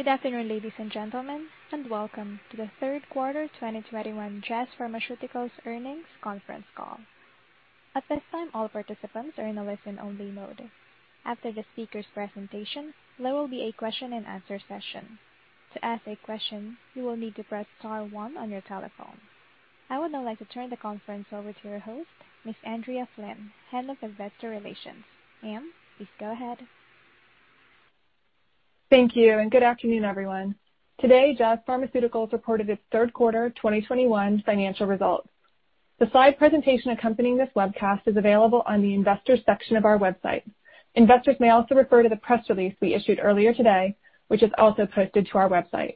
Good afternoon, ladies and gentlemen, and welcome to the Q3 2021 Jazz Pharmaceuticals earnings conference call. At this time, all participants are in a listen-only mode. After the speaker's presentation, there will be a question-and-answer session. To ask a question, you will need to press star one on your telephone. I would now like to turn the conference over to your host, Miss Andrea Flynn, Head of Investor Relations. Ma'am, please go ahead. Thank you, and good afternoon, everyone. Today, Jazz Pharmaceuticals reported its Q3 2021 financial results. The slide presentation accompanying this webcast is available on the investors section of our website. Investors may also refer to the press release we issued earlier today, which is also posted to our website.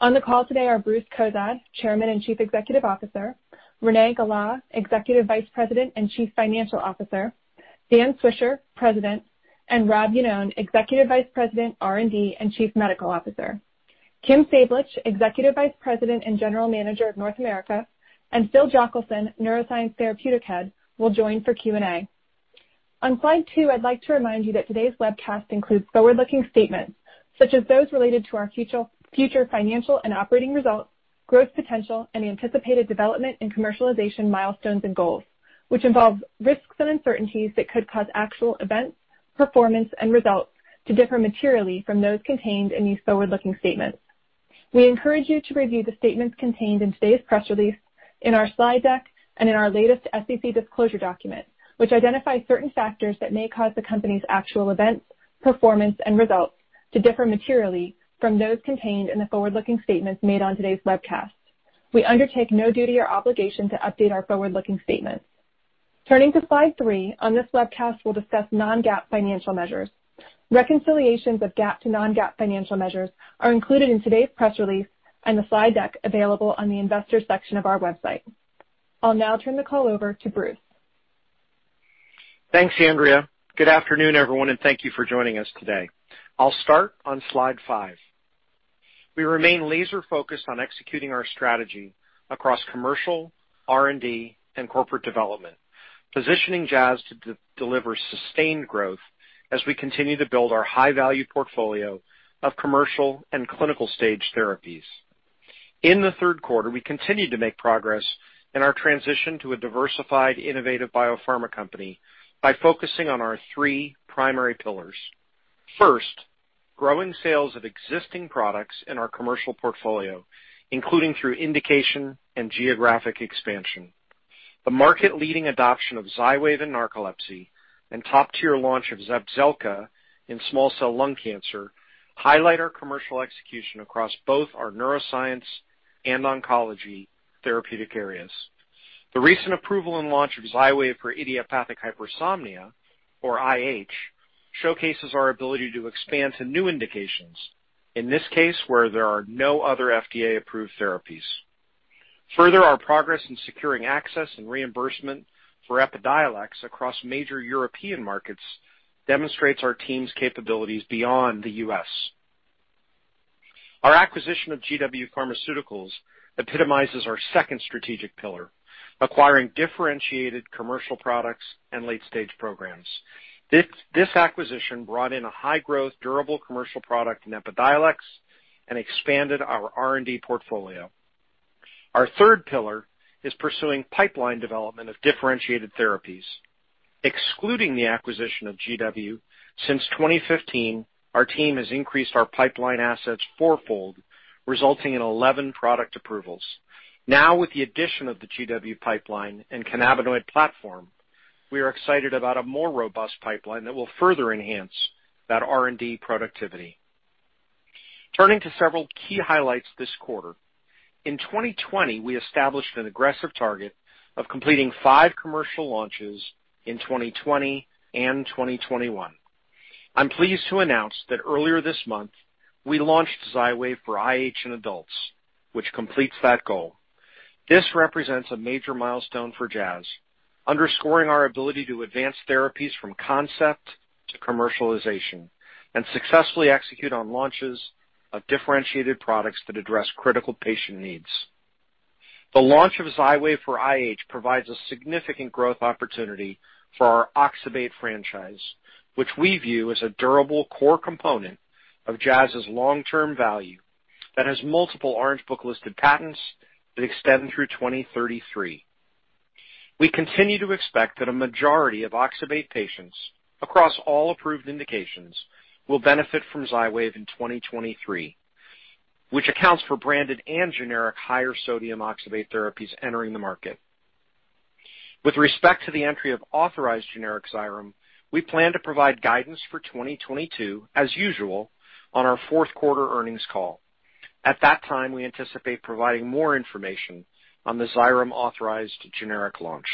On the call today are Bruce Cozadd, Chairman and Chief Executive Officer, Renee Gala, Executive Vice President and Chief Financial Officer, Dan Swisher, President, and Rob Iannone, Executive Vice President, R&D, and Chief Medical Officer. Kim Sablich, Executive Vice President and General Manager of North America, and Phil Jochelson, Neuroscience Therapeutic Head, will join for Q&A. On slide two, I'd like to remind you that today's webcast includes forward-looking statements, such as those related to our future financial and operating results, growth potential, and anticipated development and commercialization milestones and goals, which involve risks and uncertainties that could cause actual events, performance, and results to differ materially from those contained in these forward-looking statements. We encourage you to review the statements contained in today's press release, in our slide deck, and in our latest SEC disclosure document which identifies certain factors that may cause the company's actual events, performance, and results to differ materially from those contained in the forward-looking statements made on today's webcast. We undertake no duty or obligation to update our forward-looking statements. Turning to slide three. On this webcast, we'll discuss non-GAAP financial measures. Reconciliations of GAAP to non-GAAP financial measures are included in today's press release and the slide deck available on the investors section of our website. I'll now turn the call over to Bruce. Thanks, Andrea. Good afternoon, everyone, and thank you for joining us today. I'll start on slide five. We remain laser-focused on executing our strategy across commercial, R&D, and corporate development, positioning Jazz to deliver sustained growth as we continue to build our high-value portfolio of commercial and clinical stage therapies. In the Q3, we continued to make progress in our transition to a diversified, innovative biopharma company by focusing on our three primary pillars. First, growing sales of existing products in our commercial portfolio, including through indication and geographic expansion. The market-leading adoption of XYWAV in narcolepsy and top-tier launch of Zepzelca in small cell lung cancer highlight our commercial execution across both our neuroscience and oncology therapeutic areas. The recent approval and launch of XYWAV for idiopathic hypersomnia or IH showcases our ability to expand to new indications, in this case, where there are no other FDA-approved therapies. Further, our progress in securing access and reimbursement for EPIDIOLEX across major European markets demonstrates our team's capabilities beyond the U.S. Our acquisition of GW Pharmaceuticals epitomizes our second strategic pillar, acquiring differentiated commercial products and late-stage programs. This acquisition brought in a high-growth, durable commercial product in EPIDIOLEX and expanded our R&D portfolio. Our third pillar is pursuing pipeline development of differentiated therapies. Excluding the acquisition of GW, since 2015, our team has increased our pipeline assets fourfold, resulting in 11 product approvals. Now, with the addition of the GW pipeline and cannabinoid platform, we are excited about a more robust pipeline that will further enhance that R&D productivity. Turning to several key highlights this quarter. In 2020, we established an aggressive target of completing five commercial launches in 2020 and 2021. I'm pleased to announce that earlier this month, we launched XYWAV for IH in adults, which completes that goal. This represents a major milestone for Jazz, underscoring our ability to advance therapies from concept to commercialization and successfully execute on launches of differentiated products that address critical patient needs. The launch of XYWAV for IH provides a significant growth opportunity for our oxybate franchise, which we view as a durable core component of Jazz's long-term value that has multiple Orange Book listed patents that extend through 2033. We continue to expect that a majority of oxybate patients across all approved indications will benefit from XYWAV in 2023, which accounts for branded and generic higher sodium oxybate therapies entering the market. With respect to the entry of authorized generic Xyrem, we plan to provide guidance for 2022 as usual on our Q4 earnings call. At that time, we anticipate providing more information on the Xyrem authorized generic launch.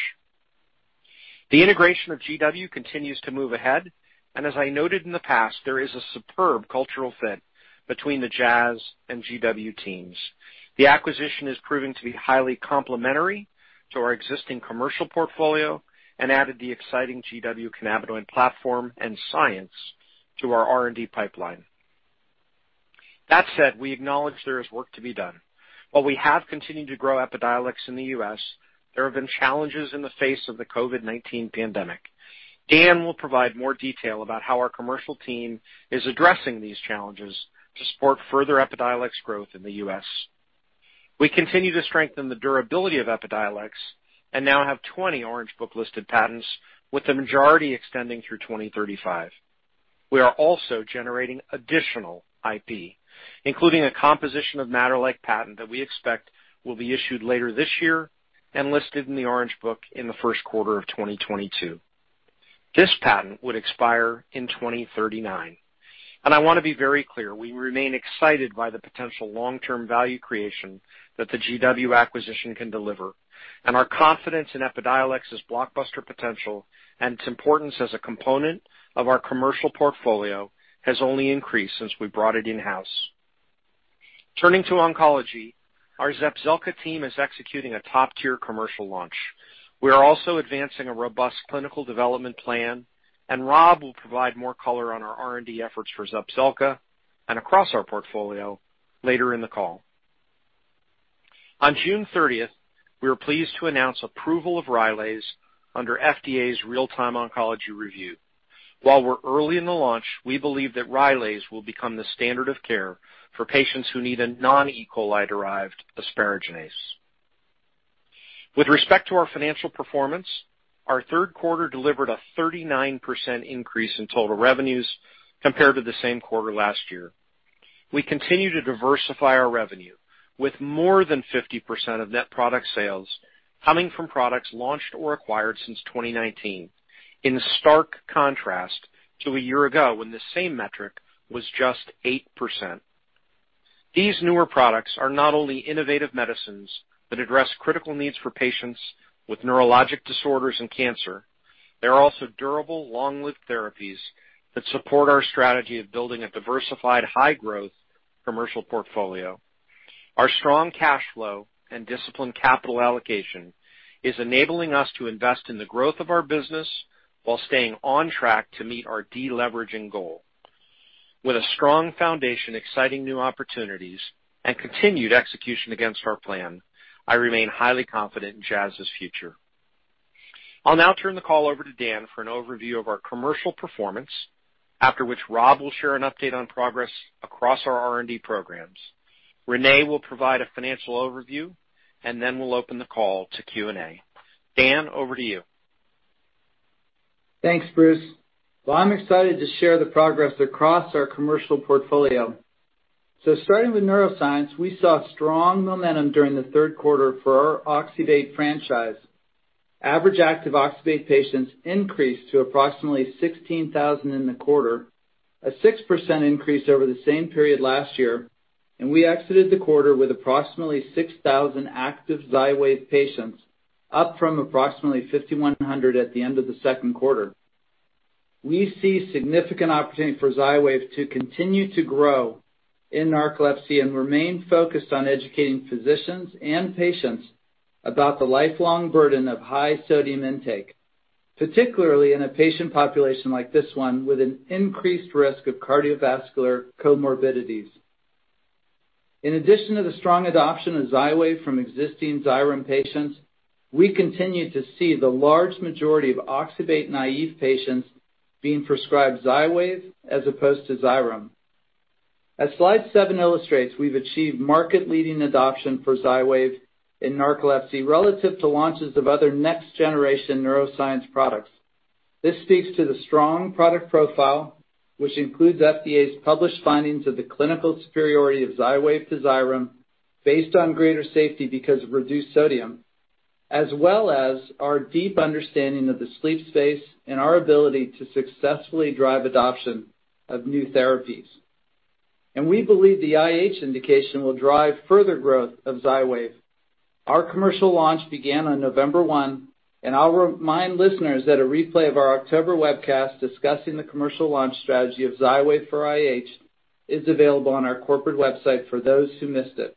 The integration of GW continues to move ahead, and as I noted in the past, there is a superb cultural fit between the Jazz and GW teams. The acquisition is proving to be highly complementary to our existing commercial portfolio and added the exciting GW cannabinoid platform and science to our R&D pipeline. That said, we acknowledge there is work to be done. While we have continued to grow EPIDIOLEX in the U.S., there have been challenges in the face of the COVID-19 pandemic. Dan will provide more detail about how our commercial team is addressing these challenges to support further EPIDIOLEX growth in the U.S. We continue to strengthen the durability of EPIDIOLEX and now have 20 Orange Book listed patents, with the majority extending through 2035. We are also generating additional IP, including a composition of matter-like patent that we expect will be issued later this year and listed in the Orange Book in the Q1 of 2022. This patent would expire in 2039. I wanna be very clear, we remain excited by the potential long-term value creation that the GW acquisition can deliver, and our confidence in EPIDIOLEX's blockbuster potential and its importance as a component of our commercial portfolio has only increased since we brought it in-house. Turning to oncology, our Zepzelca team is executing a top-tier commercial launch. We are also advancing a robust clinical development plan, and Rob will provide more color on our R&D efforts for Zepzelca and across our portfolio later in the call. On June 30th, we were pleased to announce approval of Rylaze under FDA's Real-Time Oncology Review. While we're early in the launch, we believe that Rylaze will become the standard of care for patients who need a non-E. coli-derived asparaginase. With respect to our financial performance, our Q3 delivered a 39% increase in total revenues compared to the same quarter last year. We continue to diversify our revenue, with more than 50% of net product sales coming from products launched or acquired since 2019, in stark contrast to a year ago when the same metric was just 8%. These newer products are not only innovative medicines that address critical needs for patients with neurologic disorders and cancer, they are also durable, long-lived therapies that support our strategy of building a diversified, high-growth commercial portfolio. Our strong cash flow and disciplined capital allocation is enabling us to invest in the growth of our business while staying on track to meet our deleveraging goal. With a strong foundation, exciting new opportunities, and continued execution against our plan, I remain highly confident in Jazz's future. I'll now turn the call over to Dan for an overview of our commercial performance, after which Rob will share an update on progress across our R&D programs. Renee will provide a financial overview, and then we'll open the call to Q&A. Dan, over to you. Thanks, Bruce. Well, I'm excited to share the progress across our commercial portfolio. Starting with neuroscience, we saw strong momentum during the Q3 for our oxybate franchise. Average active oxybate patients increased to approximately 16,000 in the quarter, a 6% increase over the same period last year, and we exited the quarter with approximately 6,000 active XYWAV patients, up from approximately 5,100 at the end of the Q2. We see significant opportunity for XYWAV to continue to grow in narcolepsy and remain focused on educating physicians and patients about the lifelong burden of high sodium intake, particularly in a patient population like this one with an increased risk of cardiovascular comorbidities. In addition to the strong adoption of XYWAV from existing Xyrem patients, we continue to see the large majority of oxybate-naive patients being prescribed XYWAV as opposed to Xyrem. As slide seven illustrates, we've achieved market-leading adoption for XYWAV in narcolepsy relative to launches of other next-generation neuroscience products. This speaks to the strong product profile, which includes FDA's published findings of the clinical superiority of XYWAV to Xyrem based on greater safety because of reduced sodium, as well as our deep understanding of the sleep space and our ability to successfully drive adoption of new therapies. We believe the IH indication will drive further growth of XYWAV. Our commercial launch began on November 1, and I'll remind listeners that a replay of our October webcast discussing the commercial launch strategy of XYWAV for IH is available on our corporate website for those who missed it.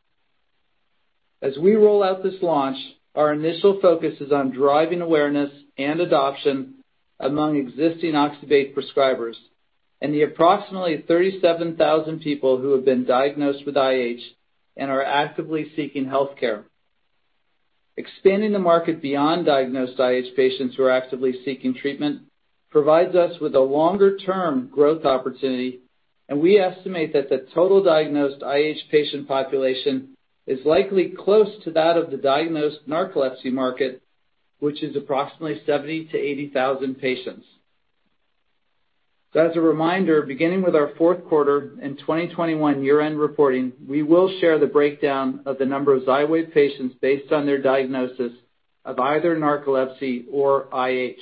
As we roll out this launch, our initial focus is on driving awareness and adoption among existing oxybate prescribers and the approximately 37,000 people who have been diagnosed with IH and are actively seeking healthcare. Expanding the market beyond diagnosed IH patients who are actively seeking treatment provides us with a longer-term growth opportunity, and we estimate that the total diagnosed IH patient population is likely close to that of the diagnosed narcolepsy market, which is approximately 70,000-80,000 patients. As a reminder, beginning with our Q4 in 2021 year-end reporting, we will share the breakdown of the number of XYWAV patients based on their diagnosis of either narcolepsy or IH.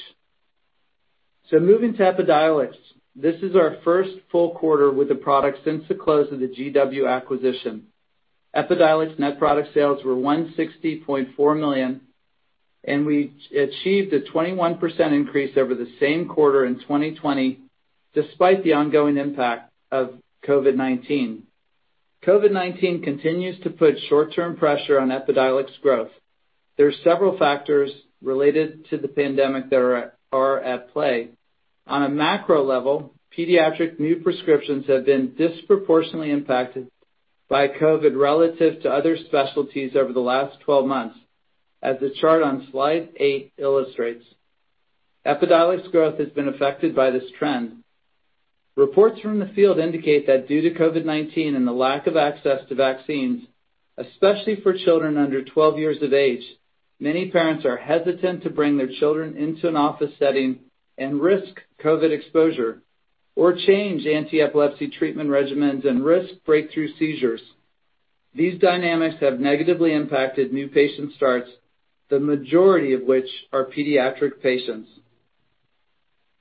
Moving to EPIDIOLEX, this is our first full quarter with the product since the close of the GW acquisition. EPIDIOLEX net product sales were $160.4 million, and we achieved a 21% increase over the same quarter in 2020, despite the ongoing impact of COVID-19. COVID-19 continues to put short-term pressure on EPIDIOLEX growth. There are several factors related to the pandemic that are at play. On a macro level, pediatric new prescriptions have been disproportionately impacted by COVID relative to other specialties over the last 12 months, as the chart on slide eight illustrates. EPIDIOLEX growth has been affected by this trend. Reports from the field indicate that due to COVID-19 and the lack of access to vaccines, especially for children under 12 years of age, many parents are hesitant to bring their children into an office setting and risk COVID exposure or change anti-epilepsy treatment regimens and risk breakthrough seizures. These dynamics have negatively impacted new patient starts, the majority of which are pediatric patients.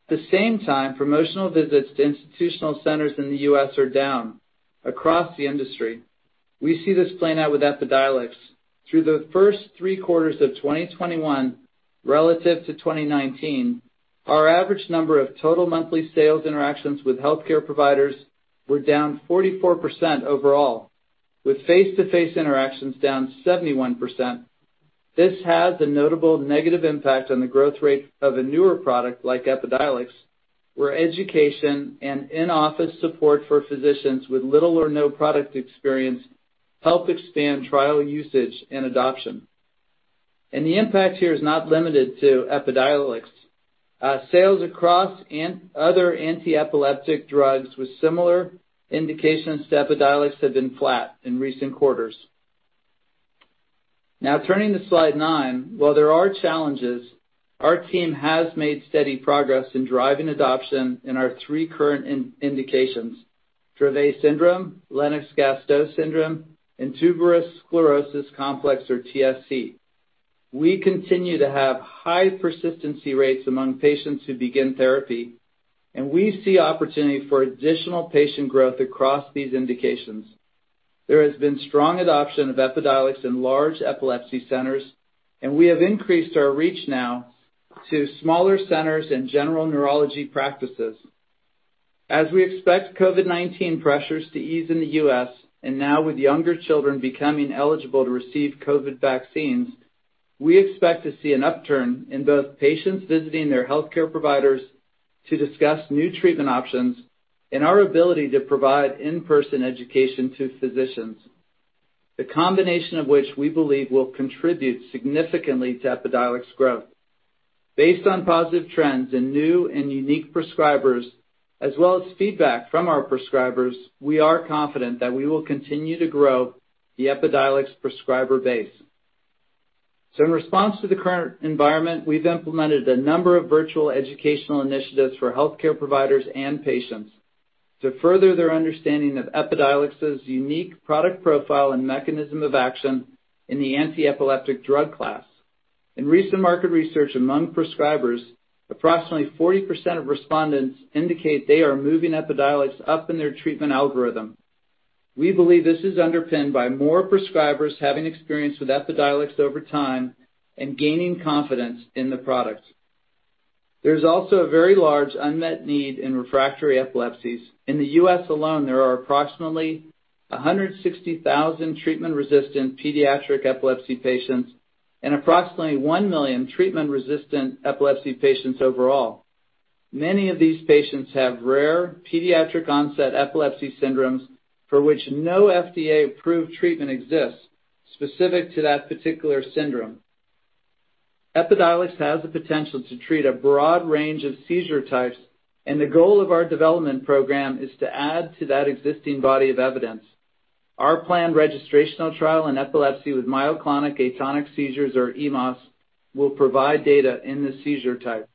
At the same time, promotional visits to institutional centers in the U.S. are down across the industry. We see this playing out with EPIDIOLEX. Through the first three quarters of 2021 relative to 2019, our average number of total monthly sales interactions with healthcare providers were down 44% overall, with face-to-face interactions down 71%. This has a notable negative impact on the growth rate of a newer product like EPIDIOLEX, where education and in-office support for physicians with little or no product experience help expand trial usage and adoption. The impact here is not limited to EPIDIOLEX. Sales across other anti-epileptic drugs with similar indications to EPIDIOLEX have been flat in recent quarters. Now turning to slide nine. While there are challenges, our team has made steady progress in driving adoption in our three current indications: Dravet syndrome, Lennox-Gastaut syndrome, and tuberous sclerosis complex, or TSC. We continue to have high persistency rates among patients who begin therapy, and we see opportunity for additional patient growth across these indications. There has been strong adoption of EPIDIOLEX in large epilepsy centers, and we have increased our reach now to smaller centers and general neurology practices. As we expect COVID-19 pressures to ease in the U.S., and now with younger children becoming eligible to receive COVID vaccines, we expect to see an upturn in both patients visiting their healthcare providers to discuss new treatment options and our ability to provide in-person education to physicians, the combination of which we believe will contribute significantly to EPIDIOLEX growth. Based on positive trends in new and unique prescribers, as well as feedback from our prescribers, we are confident that we will continue to grow the EPIDIOLEX prescriber base. In response to the current environment, we've implemented a number of virtual educational initiatives for healthcare providers and patients to further their understanding of EPIDIOLEX's unique product profile and mechanism of action in the anti-epileptic drug class. In recent market research among prescribers, approximately 40% of respondents indicate they are moving EPIDIOLEX up in their treatment algorithm. We believe this is underpinned by more prescribers having experience with EPIDIOLEX over time and gaining confidence in the product. There's also a very large unmet need in refractory epilepsies. In the U.S. alone, there are approximately 160,000 treatment-resistant pediatric epilepsy patients and approximately 1 million treatment-resistant epilepsy patients overall. Many of these patients have rare pediatric-onset epilepsy syndromes for which no FDA-approved treatment exists specific to that particular syndrome. EPIDIOLEX has the potential to treat a broad range of seizure types, and the goal of our development program is to add to that existing body of evidence. Our planned registrational trial in epilepsy with myoclonic atonic seizures, or EMAS, will provide data in this seizure type.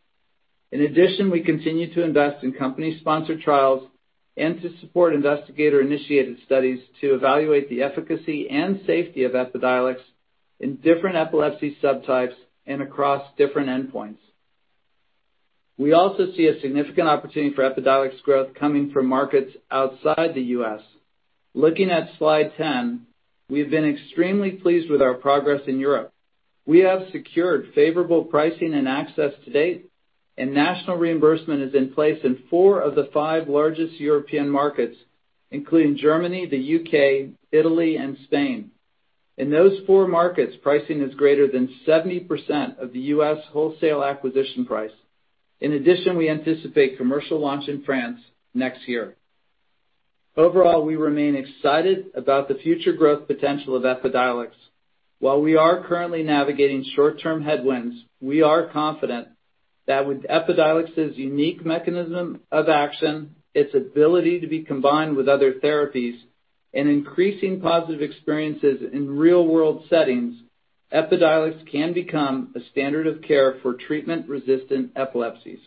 In addition, we continue to invest in company-sponsored trials and to support investigator-initiated studies to evaluate the efficacy and safety of EPIDIOLEX in different epilepsy subtypes and across different endpoints. We also see a significant opportunity for EPIDIOLEX growth coming from markets outside the U.S. Looking at slide ten, we've been extremely pleased with our progress in Europe. We have secured favorable pricing and access to date, and national reimbursement is in place in four of the five largest European markets, including Germany, the U.K., Italy, and Spain. In those four markets, pricing is greater than 70% of the U.S. wholesale acquisition price. In addition, we anticipate commercial launch in France next year. Overall, we remain excited about the future growth potential of EPIDIOLEX. While we are currently navigating short-term headwinds, we are confident that with EPIDIOLEX's unique mechanism of action, its ability to be combined with other therapies, and increasing positive experiences in real-world settings, EPIDIOLEX can become a standard of care for treatment-resistant epilepsies.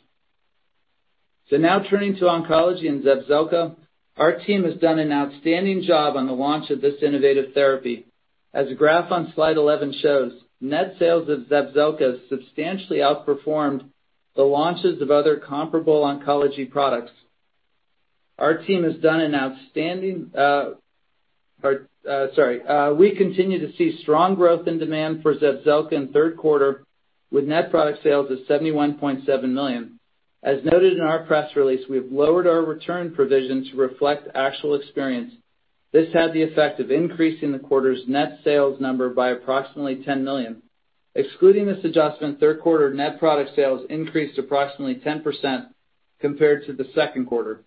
Now turning to oncology and Zepzelca. Our team has done an outstanding job on the launch of this innovative therapy. As the graph on slide 11 shows, net sales of Zepzelca has substantially outperformed the launches of other comparable oncology products. We continue to see strong growth and demand for Zepzelca in the Q3, with net product sales at $71.7 million. As noted in our press release, we have lowered our return provision to reflect actual experience. This had the effect of increasing the quarter's net sales number by approximately $10 million. Excluding this adjustment, Q3 net product sales increased approximately 10% compared to the Q2.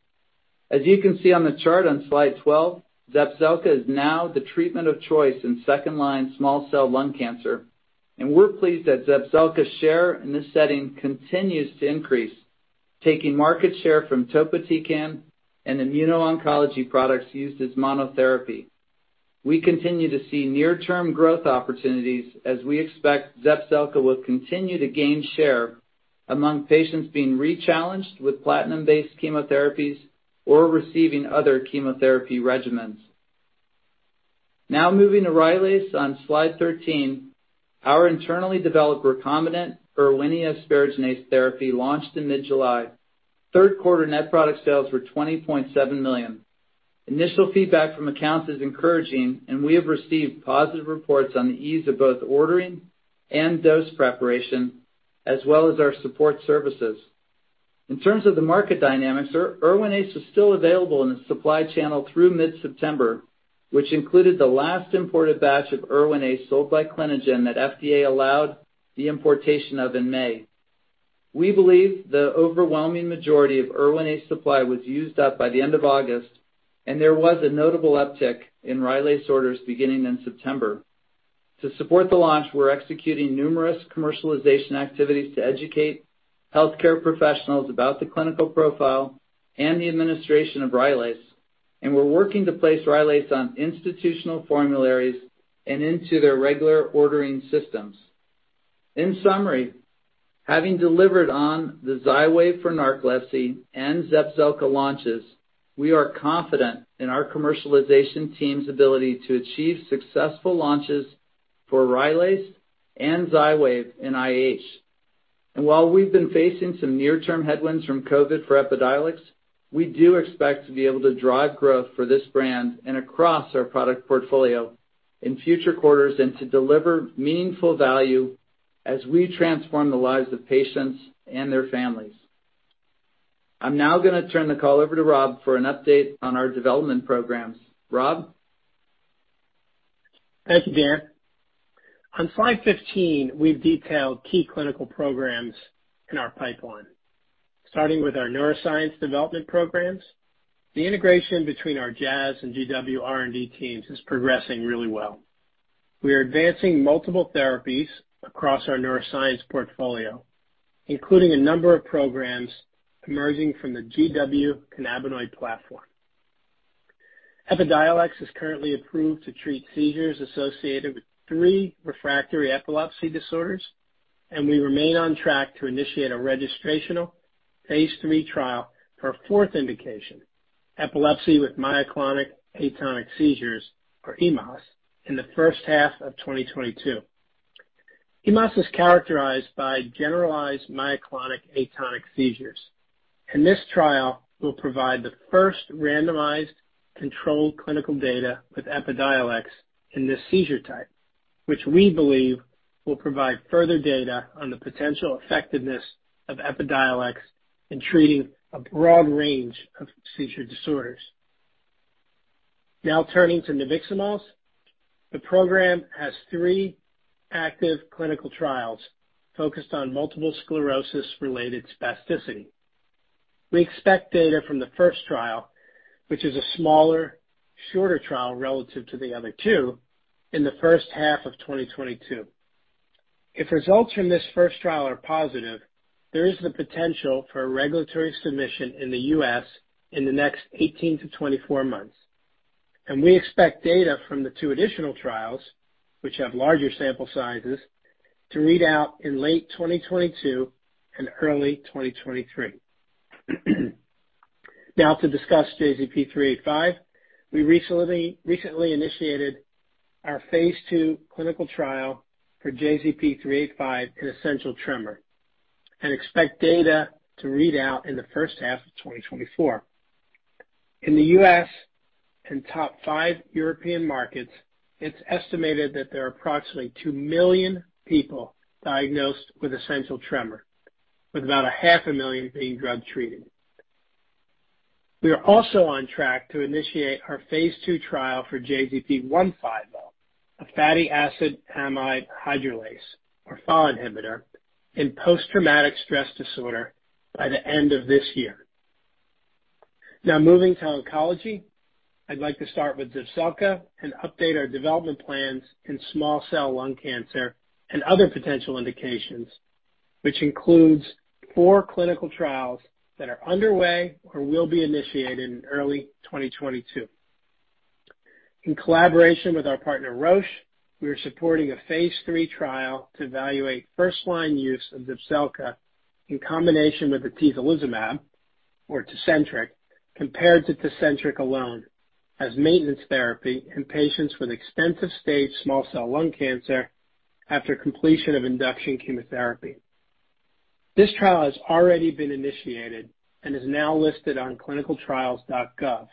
As you can see on the chart on slide 12, Zepzelca is now the treatment of choice in second-line small cell lung cancer, and we're pleased that Zepzelca's share in this setting continues to increase, taking market share from topotecan and immuno-oncology products used as monotherapy. We continue to see near-term growth opportunities as we expect Zepzelca will continue to gain share among patients being rechallenged with platinum-based chemotherapies or receiving other chemotherapy regimens. Now moving to Rylaze on Slide 13, our internally developed recombinant Erwinia asparaginase therapy launched in mid-July. Q3 net product sales were $20.7 million. Initial feedback from accounts is encouraging, and we have received positive reports on the ease of both ordering and dose preparation, as well as our support services. In terms of the market dynamics, ERWINAZE is still available in the supply channel through mid-September, which included the last imported batch of ERWINAZE sold by Clinigen that FDA allowed the importation of in May. We believe the overwhelming majority of ERWINAZE supply was used up by the end of August, and there was a notable uptick in Rylaze orders beginning in September. To support the launch, we're executing numerous commercialization activities to educate healthcare professionals about the clinical profile and the administration of Rylaze, and we're working to place Rylaze on institutional formularies and into their regular ordering systems. In summary, having delivered on the XYWAV for narcolepsy and Zepzelca launches, we are confident in our commercialization team's ability to achieve successful launches for Rylaze and XYWAV in IH. While we've been facing some near-term headwinds from COVID for EPIDIOLEX, we do expect to be able to drive growth for this brand and across our product portfolio in future quarters and to deliver meaningful value as we transform the lives of patients and their families. I'm now gonna turn the call over to Rob for an update on our development programs. Rob? Thank you, Dan Swisher. On slide 15, we've detailed key clinical programs in our pipeline. Starting with our neuroscience development programs, the integration between our Jazz and GW R&D teams is progressing really well. We are advancing multiple therapies across our neuroscience portfolio, including a number of programs emerging from the GW cannabinoid platform. EPIDIOLEX is currently approved to treat seizures associated with three refractory epilepsy disorders, and we remain on track to initiate a registrational phase III trial for a fourth indication, epilepsy with myoclonic atonic seizures, or EMAS, in the H1 of 2022. EMAS is characterized by generalized myoclonic atonic seizures. This trial will provide the first randomized controlled clinical data with EPIDIOLEX in this seizure type, which we believe will provide further data on the potential effectiveness of EPIDIOLEX in treating a broad range of seizure disorders. Now turning to nabiximols, the program has three active clinical trials focused on multiple sclerosis-related spasticity. We expect data from the first trial, which is a smaller, shorter trial relative to the other two, in the H1 of 2022. If results from this first trial are positive, there is the potential for a regulatory submission in the U.S. in the next 18-24 months. We expect data from the two additional trials, which have larger sample sizes, to read out in late 2022 and early 2023. Now to discuss JZP385. We recently initiated our phase II clinical trial for JZP385 in essential tremor and expect data to read out in the H1 of 2024. In the U.S. and top five European markets, it's estimated that there are approximately two million people diagnosed with essential tremor, with about half a million being drug-treated. We are also on track to initiate our phase II trial for JZP150, a fatty acid amide hydrolase or FAAH inhibitor in post-traumatic stress disorder by the end of this year. Now moving to oncology, I'd like to start with Zepzelca and update our development plans in small cell lung cancer and other potential indications, which includes four clinical trials that are underway or will be initiated in early 2022. In collaboration with our partner, Roche, we are supporting a phase III trial to evaluate first-line use of Zepzelca in combination with atezolizumab or Tecentriq, compared to Tecentriq alone as maintenance therapy in patients with extensive-stage small cell lung cancer after completion of induction chemotherapy. This trial has already been initiated and is now listed on clinicaltrials.gov,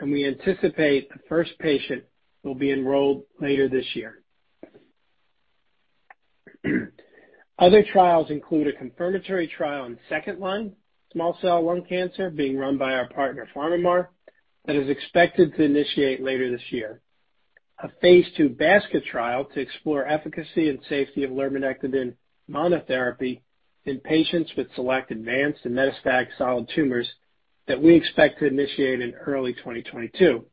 and we anticipate the first patient will be enrolled later this year. Other trials include a confirmatory trial in second-line small cell lung cancer being run by our partner, PharmaMar, that is expected to initiate later this year. A phase II basket trial to explore efficacy and safety of lurbinectedin monotherapy in patients with select advanced and metastatic solid tumors that we expect to initiate in early 2022,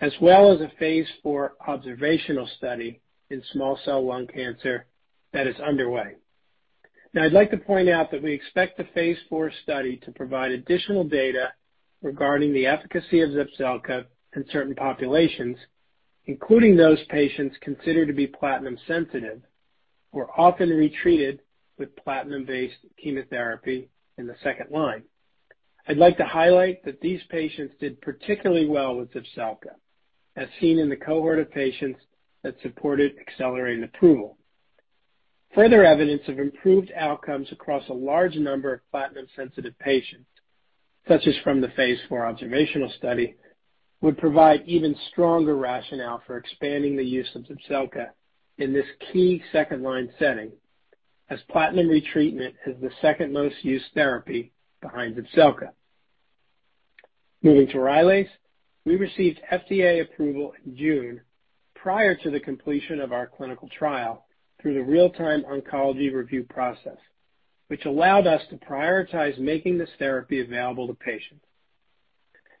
as well as a phase IV observational study in small cell lung cancer that is underway. Now I'd like to point out that we expect the phase IV study to provide additional data regarding the efficacy of Zepzelca in certain populations, including those patients considered to be platinum-sensitive, who are often retreated with platinum-based chemotherapy in the second line. I'd like to highlight that these patients did particularly well with Zepzelca, as seen in the cohort of patients that supported accelerated approval. Further evidence of improved outcomes across a large number of platinum-sensitive patients, such as from the phase IV observational study, would provide even stronger rationale for expanding the use of Zepzelca in this key second-line setting, as platinum retreatment is the second most used therapy behind Zepzelca. Moving to Rylaze, we received FDA approval in June prior to the completion of our clinical trial through the Real-Time Oncology Review process, which allowed us to prioritize making this therapy available to patients.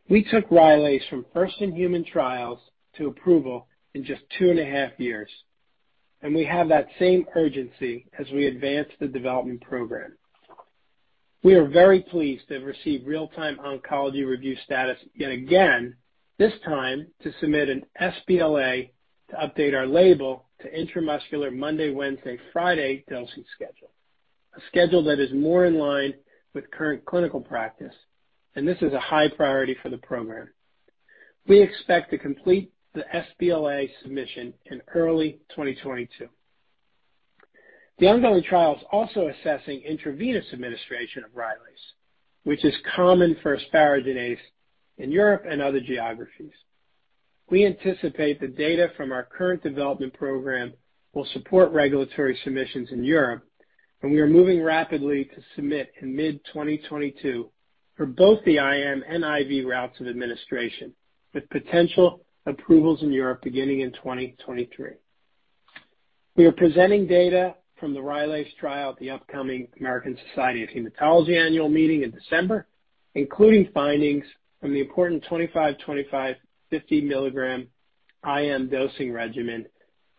We took Rylaze from first-in-human trials to approval in just two and a half years, and we have that same urgency as we advance the development program. We are very pleased to have received Real-Time Oncology Review status yet again, this time to submit an sBLA to update our label to intramuscular Monday, Wednesday, Friday dosing schedule, a schedule that is more in line with current clinical practice. This is a high priority for the program. We expect to complete the sBLA submission in early 2022. The ongoing trial is also assessing intravenous administration of Rylaze, which is common for asparaginase in Europe and other geographies. We anticipate the data from our current development program will support regulatory submissions in Europe, and we are moving rapidly to submit in mid-2022 for both the IM and IV routes of administration, with potential approvals in Europe beginning in 2023. We are presenting data from the Rylaze trial at the upcoming American Society of Hematology annual meeting in December, including findings from the important 25, 50 mg IM dosing regimen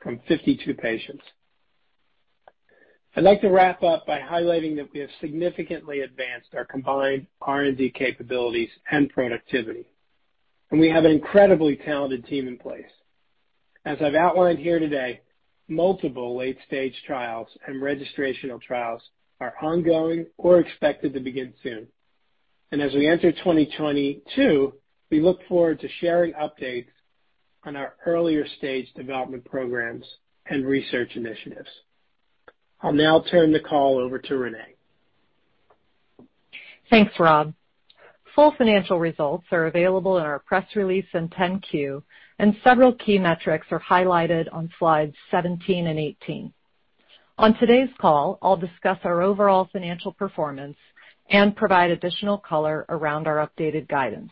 from 52 patients. I'd like to wrap up by highlighting that we have significantly advanced our combined R&D capabilities and productivity, and we have an incredibly talented team in place. As I've outlined here today, multiple late-stage trials and registrational trials are ongoing or expected to begin soon. As we enter 2022, we look forward to sharing updates on our earlier stage development programs and research initiatives. I'll now turn the call over to Renee. Thanks, Rob. Full financial results are available in our press release and 10-Q, and several key metrics are highlighted on slides 17 and 18. On today's call, I'll discuss our overall financial performance and provide additional color around our updated guidance.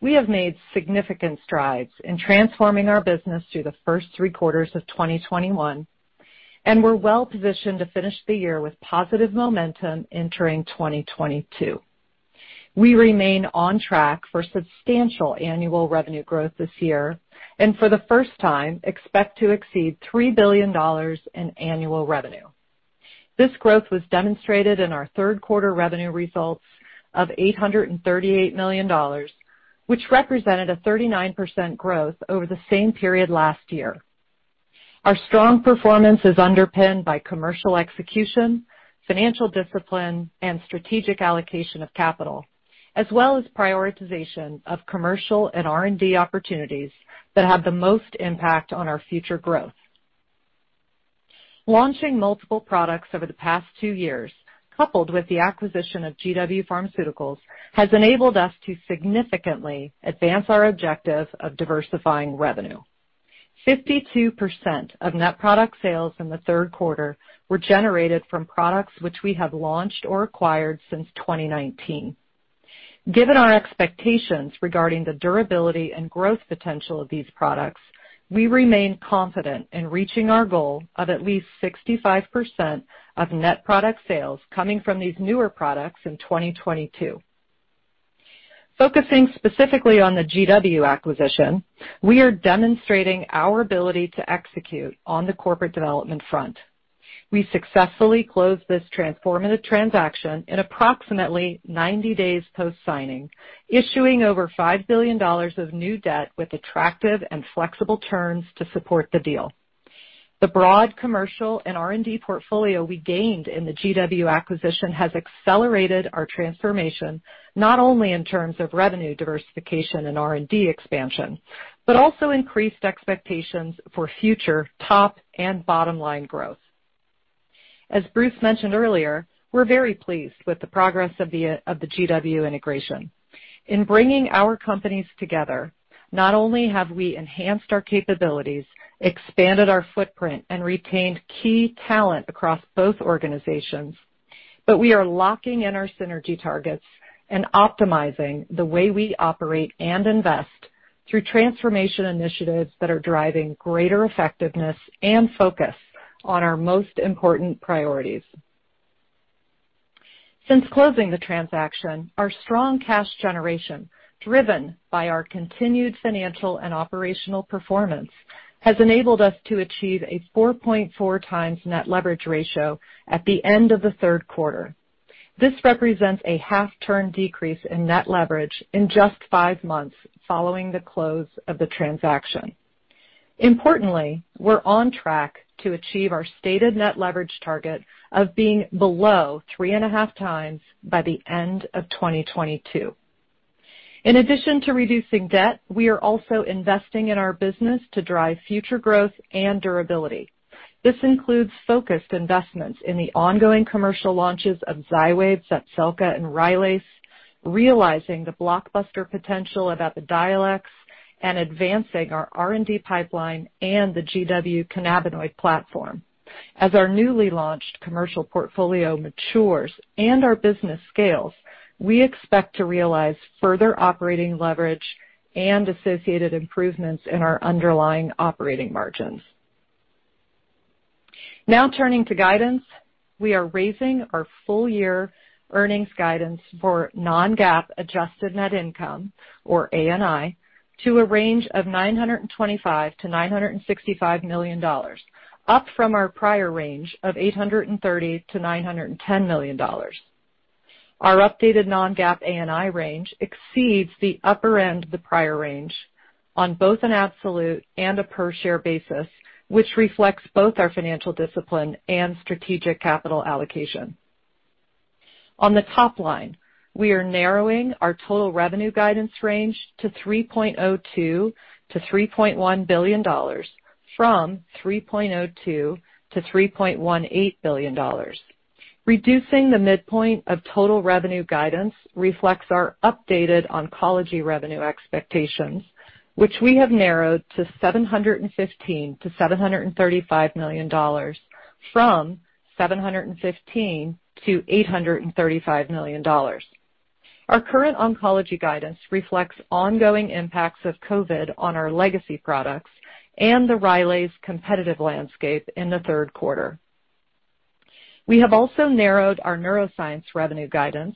We have made significant strides in transforming our business through the first three quarters of 2021, and we're well positioned to finish the year with positive momentum entering 2022. We remain on track for substantial annual revenue growth this year, and for the first time, expect to exceed $3 billion in annual revenue. This growth was demonstrated in our Q3 revenue results of $838 million, which represented a 39% growth over the same period last year. Our strong performance is underpinned by commercial execution, financial discipline, and strategic allocation of capital, as well as prioritization of commercial and R&D opportunities that have the most impact on our future growth. Launching multiple products over the past two years, coupled with the acquisition of GW Pharmaceuticals, has enabled us to significantly advance our objective of diversifying revenue. 52% of net product sales in the Q3 were generated from products which we have launched or acquired since 2019. Given our expectations regarding the durability and growth potential of these products, we remain confident in reaching our goal of at least 65% of net product sales coming from these newer products in 2022. Focusing specifically on the GW acquisition, we are demonstrating our ability to execute on the corporate development front. We successfully closed this transformative transaction in approximately 90 days post-signing, issuing over $5 billion of new debt with attractive and flexible terms to support the deal. The broad commercial and R&D portfolio we gained in the GW acquisition has accelerated our transformation, not only in terms of revenue diversification and R&D expansion, but also increased expectations for future top and bottom line growth. As Bruce mentioned earlier, we're very pleased with the progress of the GW integration. In bringing our companies together, not only have we enhanced our capabilities, expanded our footprint, and retained key talent across both organizations, but we are locking in our synergy targets and optimizing the way we operate and invest through transformation initiatives that are driving greater effectiveness and focus on our most important priorities. Since closing the transaction, our strong cash generation, driven by our continued financial and operational performance, has enabled us to achieve a 4.4x net leverage ratio at the end of the Q3. This represents a half-turn decrease in net leverage in just five months following the close of the transaction. Importantly, we're on track to achieve our stated net leverage target of being below 3.5x by the end of 2022. In addition to reducing debt, we are also investing in our business to drive future growth and durability. This includes focused investments in the ongoing commercial launches of XYWAV, Zepzelca, and Rylaze, realizing the blockbuster potential of the EPIDIOLEX, and advancing our R&D pipeline and the GW cannabinoid platform. As our newly launched commercial portfolio matures and our business scales, we expect to realize further operating leverage and associated improvements in our underlying operating margins. Now turning to guidance, we are raising our full year earnings guidance for non-GAAP adjusted net income, or ANI, to a range of $925 million-$965 million, up from our prior range of $830 million-$910 million. Our updated non-GAAP ANI range exceeds the upper end of the prior range on both an absolute and a per share basis, which reflects both our financial discipline and strategic capital allocation. On the top line, we are narrowing our total revenue guidance range to $3.02 billion-$3.1 billion from $3.02 billion-$3.18 billion. Reducing the midpoint of total revenue guidance reflects our updated oncology revenue expectations, which we have narrowed to $715 million-$735 million from $715 million-$835 million. Our current oncology guidance reflects ongoing impacts of COVID on our legacy products and the Rylaze's competitive landscape in the Q3. We have also narrowed our neuroscience revenue guidance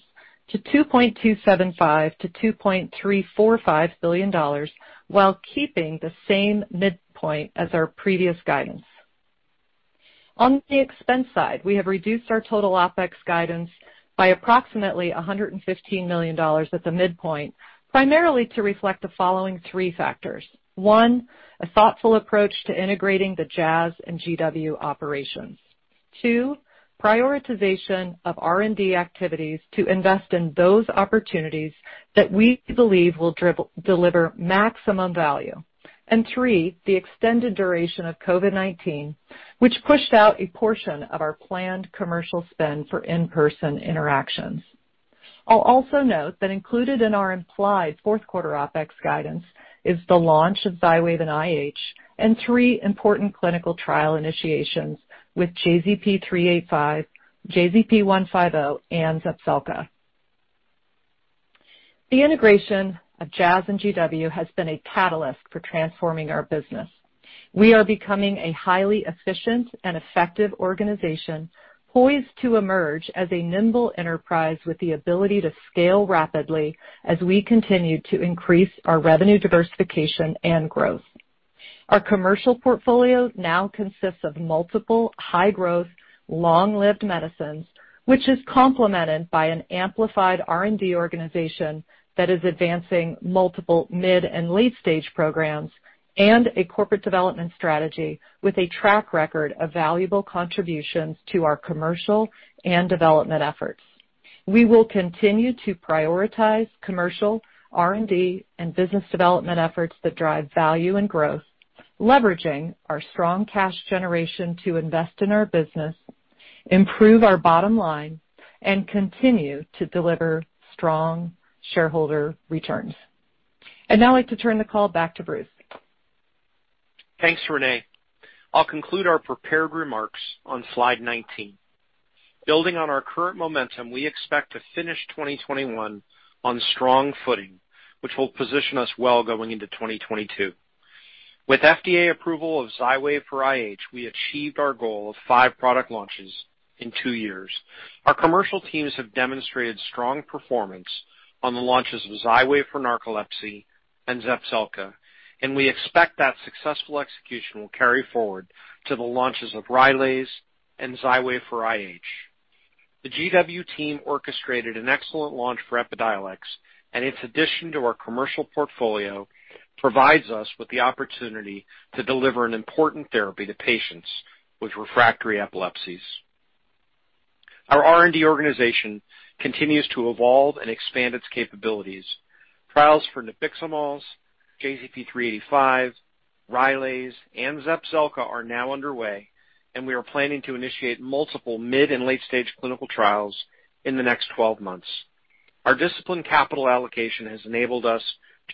to $2.275 billion-$2.345 billion while keeping the same midpoint as our previous guidance. On the expense side, we have reduced our total OpEx guidance by approximately $115 million at the midpoint, primarily to reflect the following three factors. One, a thoughtful approach to integrating the Jazz and GW operations. Two, prioritization of R&D activities to invest in those opportunities that we believe will deliver maximum value. Three, the extended duration of COVID-19, which pushed out a portion of our planned commercial spend for in-person interactions. I'll also note that included in our implied Q4 OPEX guidance is the launch of XYWAV and IH and three important clinical trial initiations with JZP-385, JZP-150, and Zepzelca. The integration of Jazz and GW has been a catalyst for transforming our business. We are becoming a highly efficient and effective organization poised to emerge as a nimble enterprise with the ability to scale rapidly as we continue to increase our revenue diversification and growth. Our commercial portfolio now consists of multiple high-growth, long-lived medicines, which is complemented by an amplified R&D organization that is advancing multiple mid- and late-stage programs and a corporate development strategy with a track record of valuable contributions to our commercial and development efforts. We will continue to prioritize commercial, R&D, and business development efforts that drive value and growth, leveraging our strong cash generation to invest in our business, improve our bottom line, and continue to deliver strong shareholder returns. I'd now like to turn the call back to Bruce. Thanks, Renee. I'll conclude our prepared remarks on slide 19. Building on our current momentum, we expect to finish 2021 on strong footing, which will position us well going into 2022. With FDA approval of XYWAV for IH, we achieved our goal of five product launches in two years. Our commercial teams have demonstrated strong performance on the launches of XYWAV for narcolepsy and Zepzelca, and we expect that successful execution will carry forward to the launches of Rylaze and XYWAV for IH. The GW team orchestrated an excellent launch for EPIDIOLEX, and its addition to our commercial portfolio provides us with the opportunity to deliver an important therapy to patients with refractory epilepsies. Our R&D organization continues to evolve and expand its capabilities. Trials for nabiximols, JZP385, Rylaze, and Zepzelca are now underway, and we are planning to initiate multiple mid- and late-stage clinical trials in the next 12 months. Our disciplined capital allocation has enabled us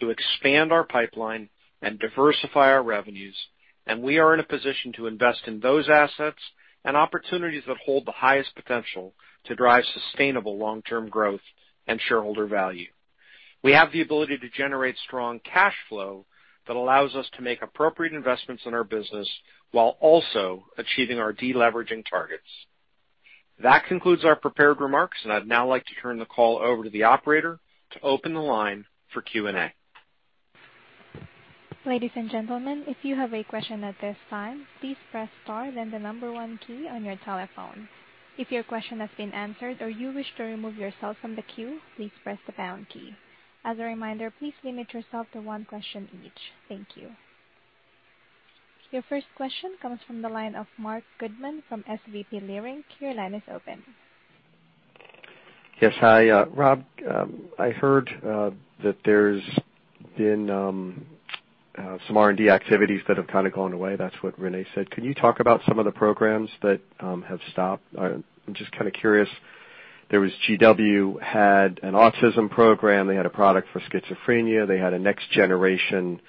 to expand our pipeline and diversify our revenues, and we are in a position to invest in those assets and opportunities that hold the highest potential to drive sustainable long-term growth and shareholder value. We have the ability to generate strong cash flow that allows us to make appropriate investments in our business while also achieving our deleveraging targets. That concludes our prepared remarks, and I'd now like to turn the call over to the operator to open the line for Q&A. Ladies and gentlemen, if you have a question at this time, please press star then the number one key on your telephone. If your question has been answered or you wish to remove yourself from the queue, please press the pound key. As a reminder, please limit yourself to one question each. Thank you. Your first question comes from the line of Marc Goodman from SVB Leerink. Your line is open. Yes. Hi, Rob. I heard that there's been some R&D activities that have kind of gone away. That's what Renee said. Can you talk about some of the programs that have stopped? I'm just kind of curious. There was GW had an autism program. They had a product for schizophrenia. They had a next generation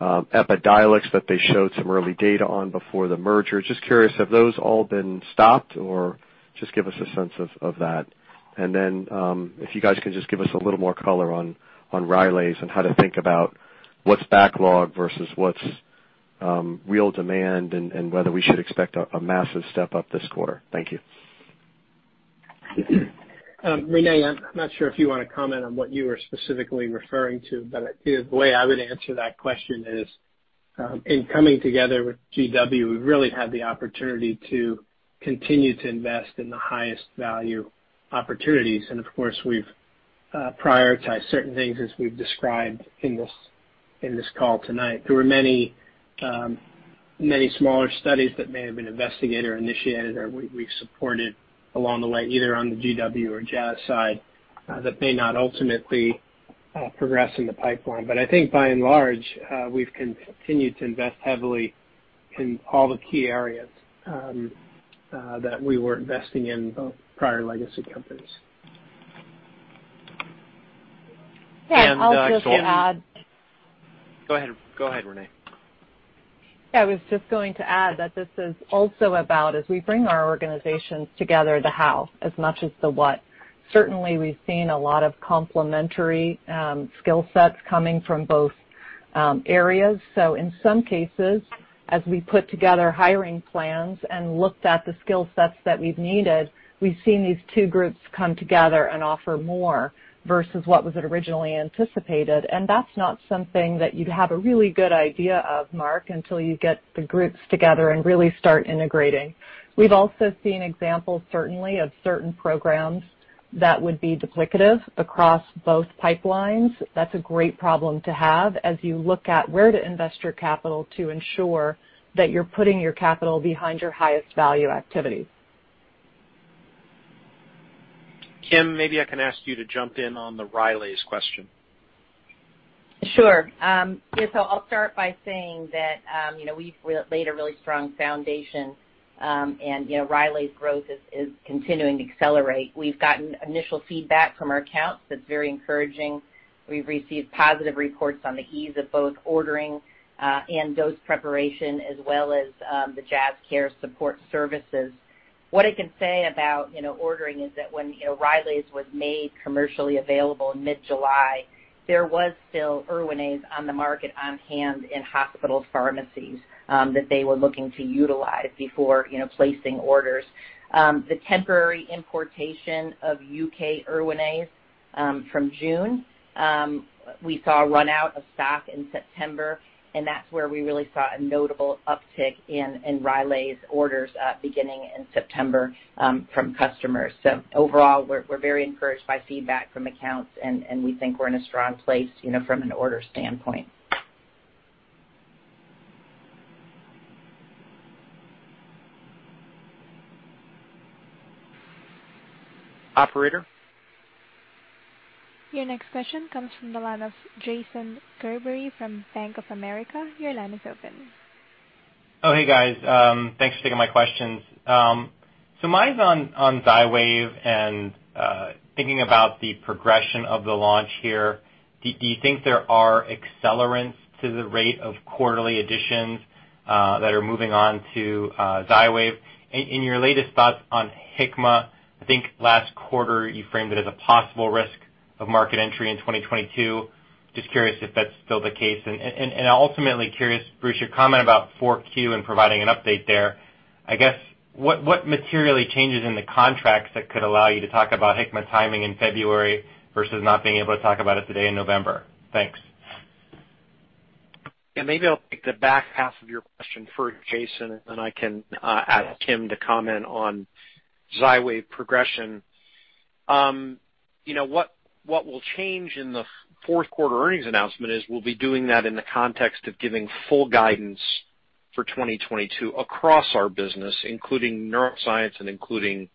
EPIDIOLEX that they showed some early data on before the merger. Just curious, have those all been stopped or just give us a sense of that. If you guys can just give us a little more color on Rylaze and how to think about what's backlog versus what's real demand and whether we should expect a massive step-up this quarter. Thank you. Renee, I'm not sure if you wanna comment on what you were specifically referring to, but the way I would answer that question is, in coming together with GW, we've really had the opportunity to continue to invest in the highest value opportunities. Of course, we've prioritized certain things as we've described in this call tonight. There were many smaller studies that may have been investigator-initiated or we've supported along the way, either on the GW or Jazz side, that may not ultimately progress in the pipeline. I think by and large, we've continued to invest heavily in all the key areas that we were investing in both prior legacy companies. And, uh, I'll- Go ahead, Renee. Yeah, I was just going to add that this is also about as we bring our organizations together, the how, as much as the what. Certainly, we've seen a lot of complementary skill sets coming from both areas. In some cases, as we put together hiring plans and looked at the skill sets that we've needed, we've seen these two groups come together and offer more versus what was originally anticipated. That's not something that you'd have a really good idea of, Mark, until you get the groups together and really start integrating. We've also seen examples, certainly of certain programs that would be duplicative across both pipelines. That's a great problem to have as you look at where to invest your capital to ensure that you're putting your capital behind your highest value activities. Kim, maybe I can ask you to jump in on the Rylaze question. Sure. Yeah, so I'll start by saying that, you know, we've really laid a really strong foundation, and, you know, Rylaze growth is continuing to accelerate. We've gotten initial feedback from our accounts that's very encouraging. We've received positive reports on the ease of both ordering and dose preparation as well as the Jazz care support services. What I can say about ordering is that when Rylaze was made commercially available in mid-July, there was still ERWINAZE on the market on hand in hospital pharmacies that they were looking to utilize before placing orders. The temporary importation of U.K. ERWINAZE from June, we saw a run out of stock in September, and that's where we really saw a notable uptick in Rylaze orders beginning in September from customers. Overall, we're very encouraged by feedback from accounts, and we think we're in a strong place, you know, from an order standpoint. Operator? Your next question comes from the line of Jason Gerberry from Bank of America. Your line is open. Oh, hey, guys. Thanks for taking my questions. So mine's on XYWAV and thinking about the progression of the launch here. Do you think there are accelerants to the rate of quarterly additions that are moving on to XYWAV? In your latest thoughts on Hikma, I think last quarter you framed it as a possible risk of market entry in 2022. Just curious if that's still the case. Ultimately curious, Bruce, your comment about 4Q and providing an update there. I guess, what materially changes in the contracts that could allow you to talk about Hikma timing in February versus not being able to talk about it today in November? Thanks. Yeah, maybe I'll take the back half of your question first, Jason, and I can ask Kim to comment on XYWAV progression. What will change in the Q4 earnings announcement is we'll be doing that in the context of giving full guidance for 2022 across our business, including neuroscience and including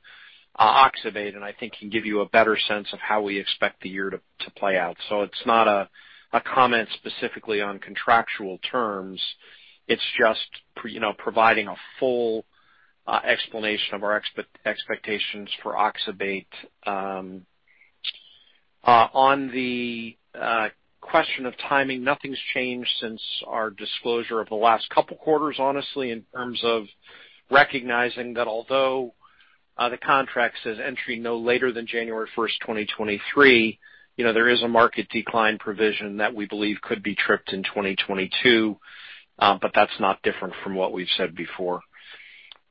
oxybate. I think can give you a better sense of how we expect the year to play out. It's not a comment specifically on contractual terms. It's just providing a full explanation of our expectations for oxybate. On the question of timing, nothing's changed since our disclosure of the last couple quarters, honestly, in terms of recognizing that although the contract says entry no later than January 1st, 2023, you know, there is a market decline provision that we believe could be tripped in 2022. But that's not different from what we've said before.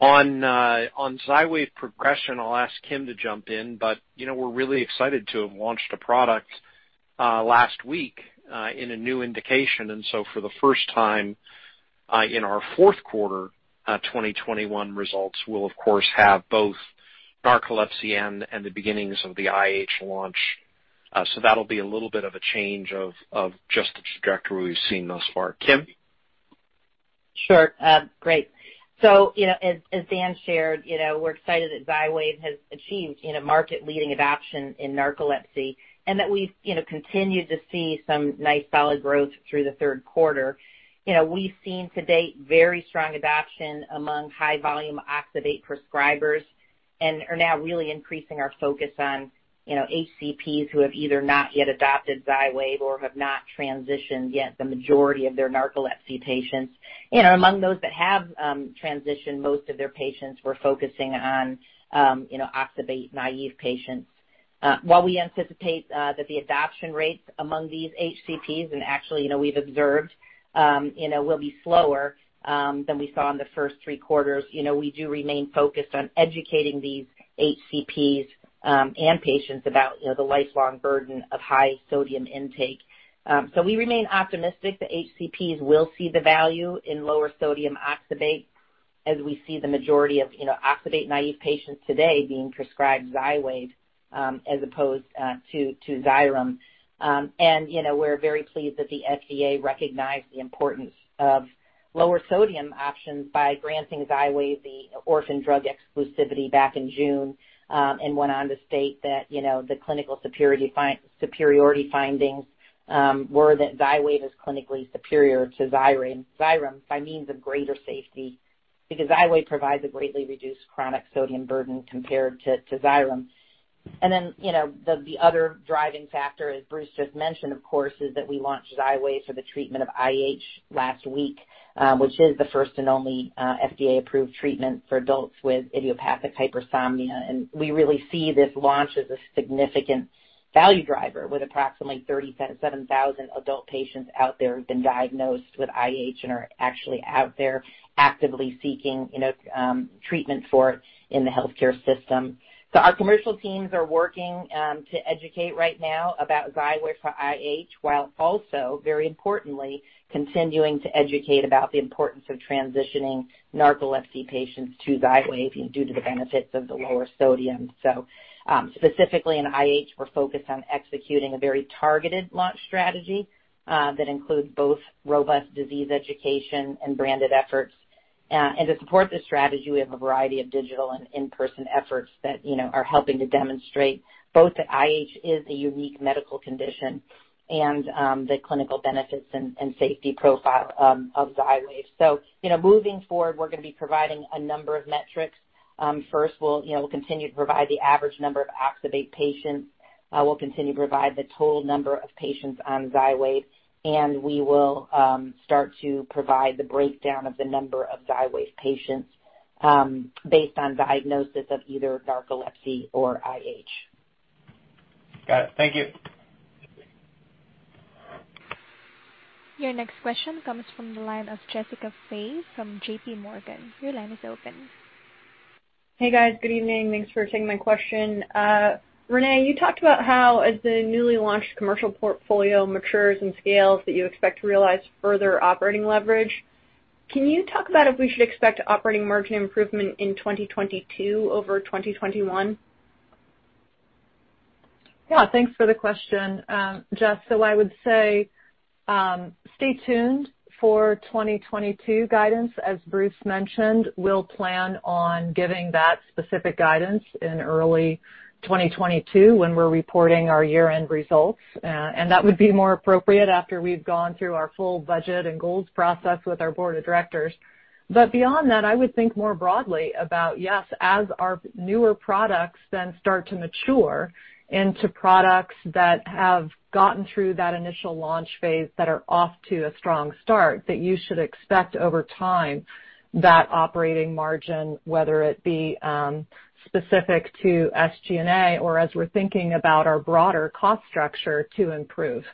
On XYWAV progression, I'll ask Kim to jump in, but, you know, we're really excited to have launched a product last week in a new indication. For the first time in our Q4 2021 results, we'll of course have both narcolepsy and the beginnings of the IH launch. That'll be a little bit of a change of just the trajectory we've seen thus far. Kim? Sure. Great. You know, as Dan shared, you know, we're excited that XYWAV has achieved a market-leading adoption in narcolepsy, and that we've, you know, continued to see some nice, solid growth through the Q3. You know, we've seen to date very strong adoption among high volume oxybate prescribers, and are now really increasing our focus on, you know, HCPs who have either not yet adopted XYWAV or have not transitioned yet the majority of their narcolepsy patients. You know, among those that have transitioned most of their patients, we're focusing on, you know, oxybate naive patients. While we anticipate that the adoption rates among these HCPs, and actually, you know, we've observed, you know, will be slower than we saw in the first three quarters, you know, we do remain focused on educating these HCPs and patients about, you know, the lifelong burden of high sodium intake. We remain optimistic that HCPs will see the value in lower sodium oxybate as we see the majority of, you know, oxybate-naive patients today being prescribed XYWAV, as opposed to Xyrem. You know, we're very pleased that the FDA recognized the importance of lower sodium options by granting XYWAV the orphan drug exclusivity back in June and went on to state that, you know, the clinical superiority findings were that XYWAV is clinically superior to Xyrem by means of greater safety, because XYWAV provides a greatly reduced chronic sodium burden compared to Xyrem. Then, you know, the other driving factor, as Bruce just mentioned, of course, is that we launched XYWAV for the treatment of IH last week, which is the first and only FDA-approved treatment for adults with idiopathic hypersomnia. We really see this launch as a significant value driver with approximately 37,000 adult patients out there who've been diagnosed with IH and are actually out there actively seeking, you know, treatment for it in the healthcare system. Our commercial teams are working to educate right now about XYWAV for IH, while also, very importantly, continuing to educate about the importance of transitioning narcolepsy patients to XYWAV due to the benefits of the lower sodium. Specifically in IH, we're focused on executing a very targeted launch strategy that includes both robust disease education and branded efforts. To support this strategy, we have a variety of digital and in-person efforts that, you know, are helping to demonstrate both that IH is a unique medical condition and the clinical benefits and safety profile of XYWAV. Moving forward, we're gonna be providing a number of metrics. First, we'll, you know, continue to provide the average number of oxybate patients. We'll continue to provide the total number of patients on XYWAV, and we will start to provide the breakdown of the number of XYWAV patients based on diagnosis of either narcolepsy or IH. Got it. Thank you. Your next question comes from the line of Jessica Fye from JPMorgan. Your line is open. Hey, guys. Good evening. Thanks for taking my question. Renee, you talked about how as the newly launched commercial portfolio matures and scales that you expect to realize further operating leverage. Can you talk about if we should expect operating margin improvement in 2022 over 2021? Yeah, thanks for the question, Jess. I would say stay tuned for 2022 guidance. As Bruce mentioned, we'll plan on giving that specific guidance in early 2022 when we're reporting our year-end results. That would be more appropriate after we've gone through our full budget and goals process with our board of directors. Beyond that, I would think more broadly about, yes, as our newer products then start to mature into products that have gotten through that initial launch phase that are off to a strong start, that you should expect over time that operating margin, whether it be specific to SG&A or as we're thinking about our broader cost structure to improve.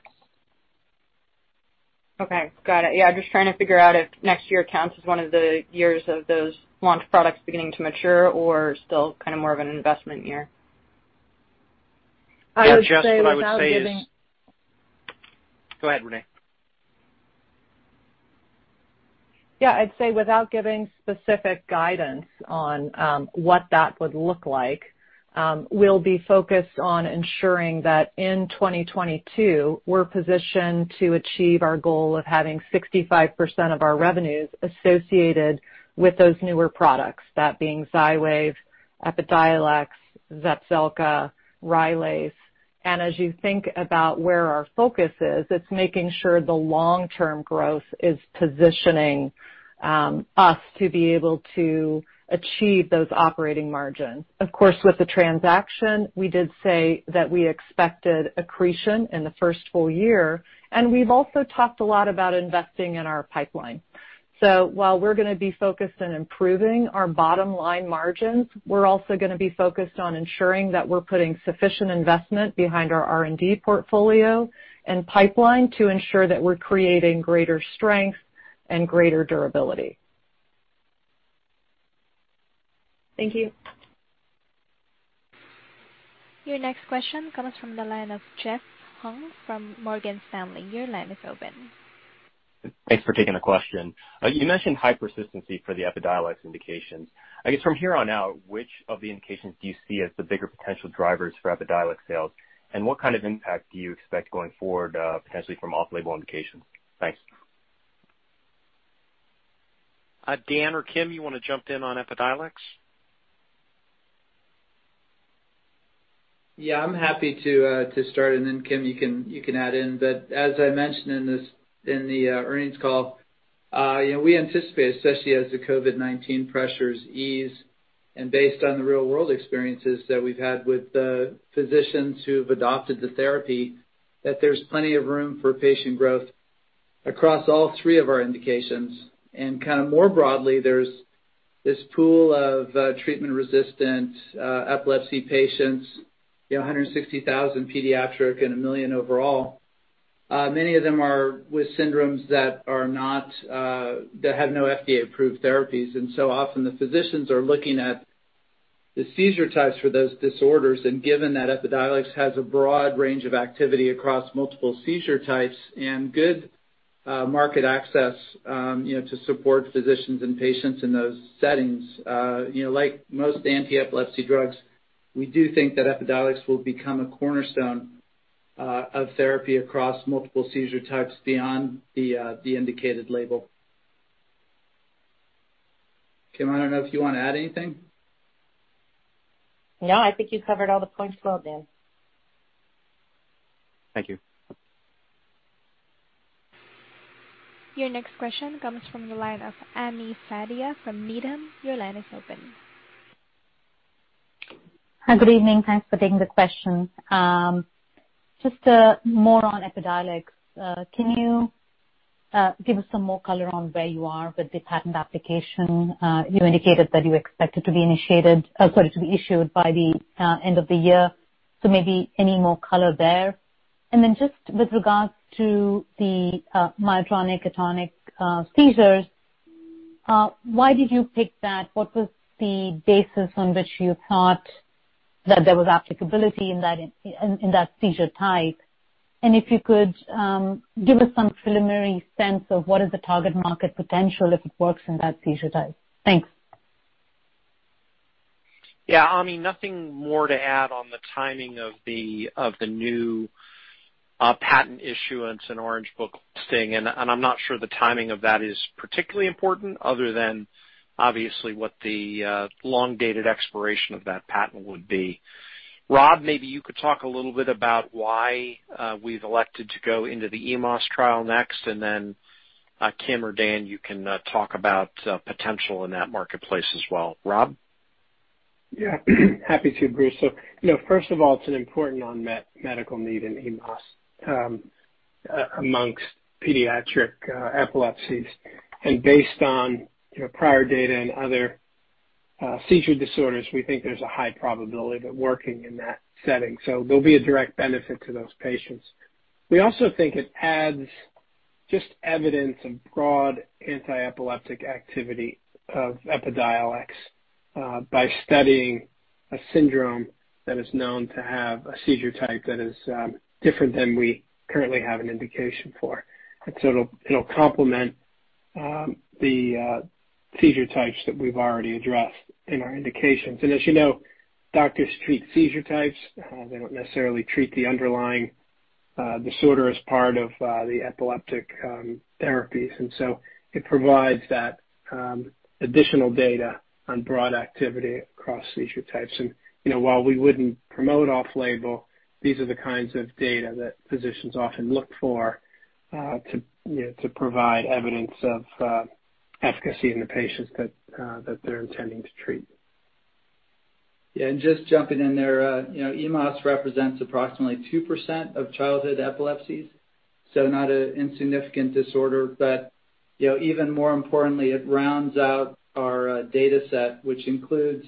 Okay. Got it. Yeah, just trying to figure out if next year counts as one of the years of those launch products beginning to mature or still kind of more of an investment year. I would say without giving. Yeah, Jess, what I would say is. Go ahead, Renee. Yeah, I'd say without giving specific guidance on what that would look like, we'll be focused on ensuring that in 2022, we're positioned to achieve our goal of having 65% of our revenues associated with those newer products, that being XYWAV, EPIDIOLEX, Zepzelca, Rylaze. As you think about where our focus is, it's making sure the long-term growth is positioning us to be able to achieve those operating margins. Of course, with the transaction, we did say that we expected accretion in the first full year, and we've also talked a lot about investing in our pipeline. While we're gonna be focused on improving our bottom-line margins, we're also gonna be focused on ensuring that we're putting sufficient investment behind our R&D portfolio and pipeline to ensure that we're creating greater strength and greater durability. Thank you. Your next question comes from the line of Jeff Hung from Morgan Stanley. Your line is open. Thanks for taking the question. You mentioned high persistency for the EPIDIOLEX indications. I guess from here on out, which of the indications do you see as the bigger potential drivers for EPIDIOLEX sales? And what kind of impact do you expect going forward, potentially from off-label indications? Thanks. Dan or Kim, you wanna jump in on EPIDIOLEX? Yeah, I'm happy to start, and then Kim, you can add in. As I mentioned in this earnings call, you know, we anticipate, especially as the COVID-19 pressures ease and based on the real-world experiences that we've had with the physicians who've adopted the therapy, that there's plenty of room for patient growth across all three of our indications. Kind of more broadly, there's this pool of treatment-resistant epilepsy patients, you know, 160,000 pediatric and one million overall. Many of them are with syndromes that have no FDA-approved therapies. Often the physicians are looking at the seizure types for those disorders. Given that EPIDIOLEX has a broad range of activity across multiple seizure types and good market access, you know, to support physicians and patients in those settings, you know, like most anti-epilepsy drugs, we do think that EPIDIOLEX will become a cornerstone of therapy across multiple seizure types beyond the indicated label. Kim, I don't know if you wanna add anything. No, I think you covered all the points well, Dan. Thank you. Your next question comes from the line of Ami Fadia from Needham. Your line is open. Hi. Good evening. Thanks for taking the question. Just more on EPIDIOLEX. Can you give us some more color on where you are with the patent application? You indicated that you expect it to be issued by the end of the year. Maybe any more color there. Then just with regards to the myoclonic atonic seizures, why did you pick that? What was the basis on which you thought that there was applicability in that seizure type? If you could give us some preliminary sense of what is the target market potential if it works in that seizure type? Thanks. Yeah. Ami, nothing more to add on the timing of the new patent issuance and Orange Book listing. I'm not sure the timing of that is particularly important other than obviously what the long-dated expiration of that patent would be. Rob, maybe you could talk a little bit about why we've elected to go into the EDS trial next. Kim or Dan, you can talk about potential in that marketplace as well. Rob? Yeah. Happy to, Bruce. You know, first of all, it's an important unmet medical need in EDS among pediatric epilepsies. Based on, you know, prior data and other seizure disorders, we think there's a high probability of it working in that setting, so there'll be a direct benefit to those patients. We also think it adds just evidence of broad anti-epileptic activity of EPIDIOLEX by studying a syndrome that is known to have a seizure type that is different than we currently have an indication for. It'll complement the seizure types that we've already addressed in our indications. As you know, doctors treat seizure types. They don't necessarily treat the underlying disorder as part of the epileptic therapies. It provides that additional data on broad activity across seizure types. You know, while we wouldn't promote off-label, these are the kinds of data that physicians often look for to you know to provide evidence of efficacy in the patients that they're intending to treat. Yeah, just jumping in there, you know, EDS represents approximately 2% of childhood epilepsies, so not an insignificant disorder. You know, even more importantly, it rounds out our dataset which includes,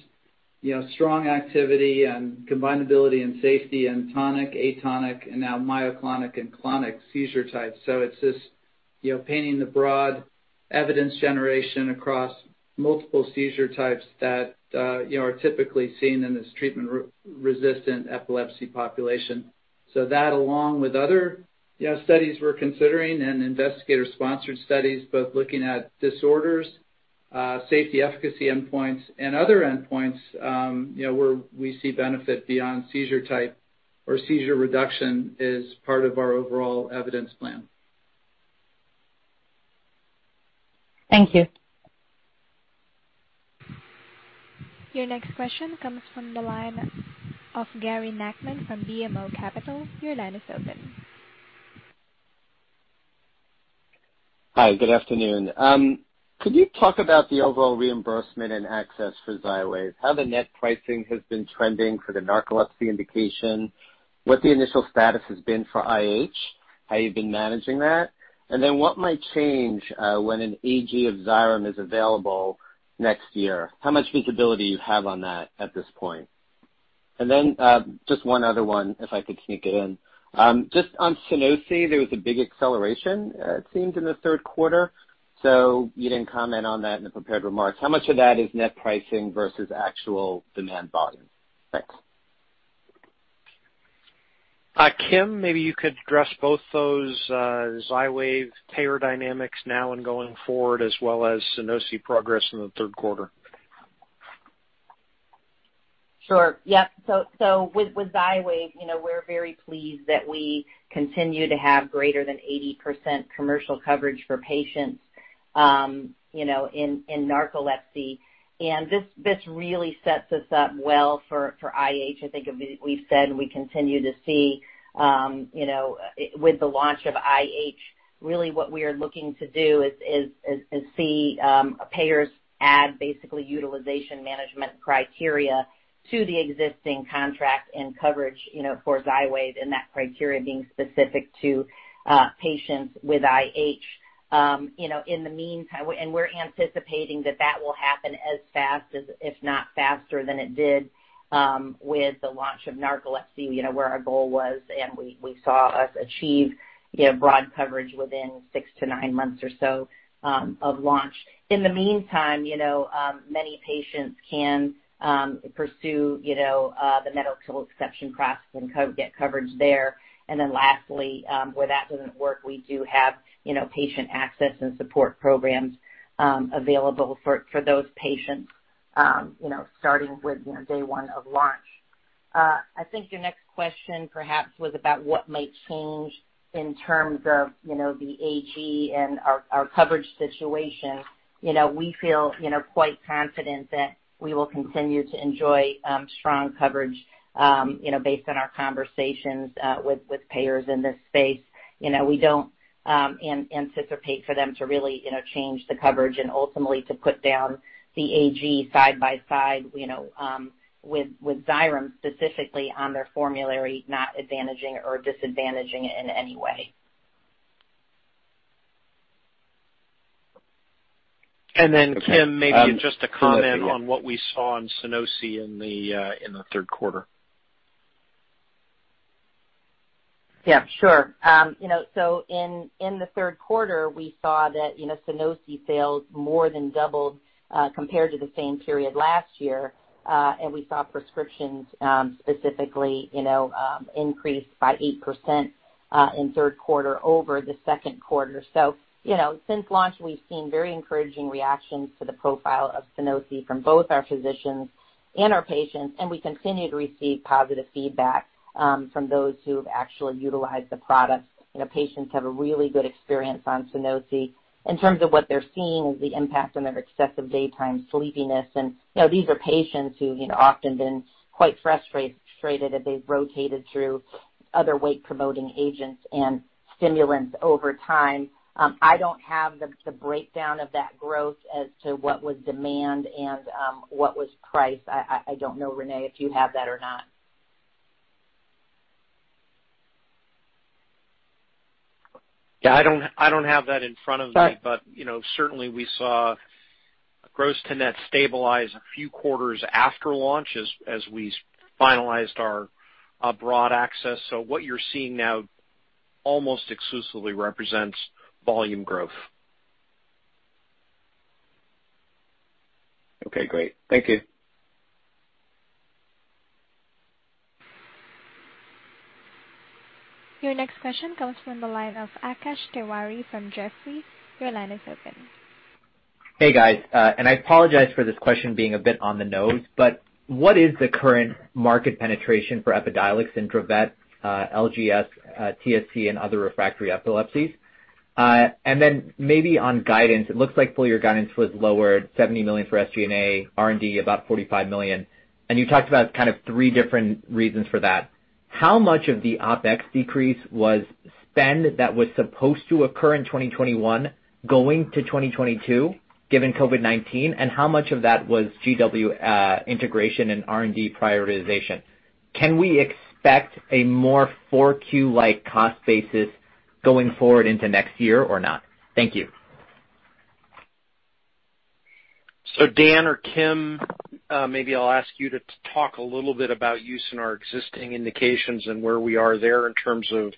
you know, strong activity and combinability and safety in tonic, atonic, and now myoclonic and clonic seizure types. It's just, you know, painting the broad evidence generation across multiple seizure types that, you know, are typically seen in this treatment-resistant epilepsy population. That, along with other, you know, studies we're considering and investigator-sponsored studies both looking at disorders, safety efficacy endpoints and other endpoints, you know, where we see benefit beyond seizure type or seizure reduction is part of our overall evidence plan. Thank you. Your next question comes from the line of Gary Nachman from BMO Capital Markets. Your line is open. Hi, good afternoon. Could you talk about the overall reimbursement and access for XYWAV? How the net pricing has been trending for the narcolepsy indication, what the initial status has been for IH, how you've been managing that, and then what might change when an AG of Xyrem is available next year? How much visibility you have on that at this point? And then just one other one, if I could sneak it in. Just on Sunosi, there was a big acceleration, it seemed, in the Q3. You didn't comment on that in the prepared remarks. How much of that is net pricing versus actual demand volume? Thanks. Kim, maybe you could address both those, XYWAV payer dynamics now and going forward, as well as Sunosi progress in the Q3. Sure. Yeah. With XYWAV, you know, we're very pleased that we continue to have greater than 80% commercial coverage for patients, you know, in narcolepsy. This really sets us up well for IH. I think we've said we continue to see, you know, with the launch of IH, really what we are looking to do is see payers add basically utilization management criteria to the existing contract and coverage, you know, for XYWAV, and that criteria being specific to patients with IH. You know, in the meantime, we're anticipating that that will happen as fast as, if not faster than it did, with the launch of narcolepsy, you know, where our goal was, and we saw us achieve, you know, broad coverage within six to nine months or so, of launch. In the meantime, you know, many patients can pursue, you know, the medical exception process and get coverage there. Then lastly, where that doesn't work, we do have, you know, patient access and support programs, available for those patients, you know, starting with, you know, day one of launch. I think your next question perhaps was about what might change in terms of, you know, the AG and our coverage situation. You know, we feel, you know, quite confident that we will continue to enjoy strong coverage, you know, based on our conversations with payers in this space. You know, we don't anticipate for them to really, you know, change the coverage and ultimately to put down the AG side by side, you know, with Xyrem specifically on their formulary, not advantaging or disadvantaging it in any way. Kim, maybe just a comment on what we saw on Sunosi in the Q3. Yeah, sure. You know, in the Q3, we saw that Sunosi sales more than doubled compared to the same period last year. We saw prescriptions specifically increase by 8% in Q3 over the Q2. You know, since launch, we've seen very encouraging reactions to the profile of Sunosi from both our physicians and our patients, and we continue to receive positive feedback from those who have actually utilized the product. You know, patients have a really good experience on Sunosi in terms of what they're seeing is the impact on their excessive daytime sleepiness. You know, these are patients who often been quite frustrated as they've rotated through other wake-promoting agents and stimulants over time. I don't have the breakdown of that growth as to what was demand and what was price. I don't know, Renee, if you have that or not. Yeah, I don't have that in front of me. Right. You know, certainly we saw gross to net stabilize a few quarters after launch as we finalized our broad access. What you're seeing now almost exclusively represents volume growth. Okay, great. Thank you. Your next question comes from the line of Akash Tewari from Jefferies. Your line is open. Hey, guys. I apologize for this question being a bit on the nose, but what is the current market penetration for EPIDIOLEX and Dravet, LGS, TSC and other refractory epilepsies? Then maybe on guidance, it looks like full-year guidance was lowered $70 million for SG&A, R&D about $45 million. You talked about kind of three different reasons for that. How much of the OpEx decrease was spend that was supposed to occur in 2021 going to 2022 given COVID-19? How much of that was GW integration and R&D prioritization? Can we expect a more Q4-like cost basis going forward into next year or not? Thank you. Dan or Kim, maybe I'll ask you to talk a little bit about use in our existing indications and where we are there in terms of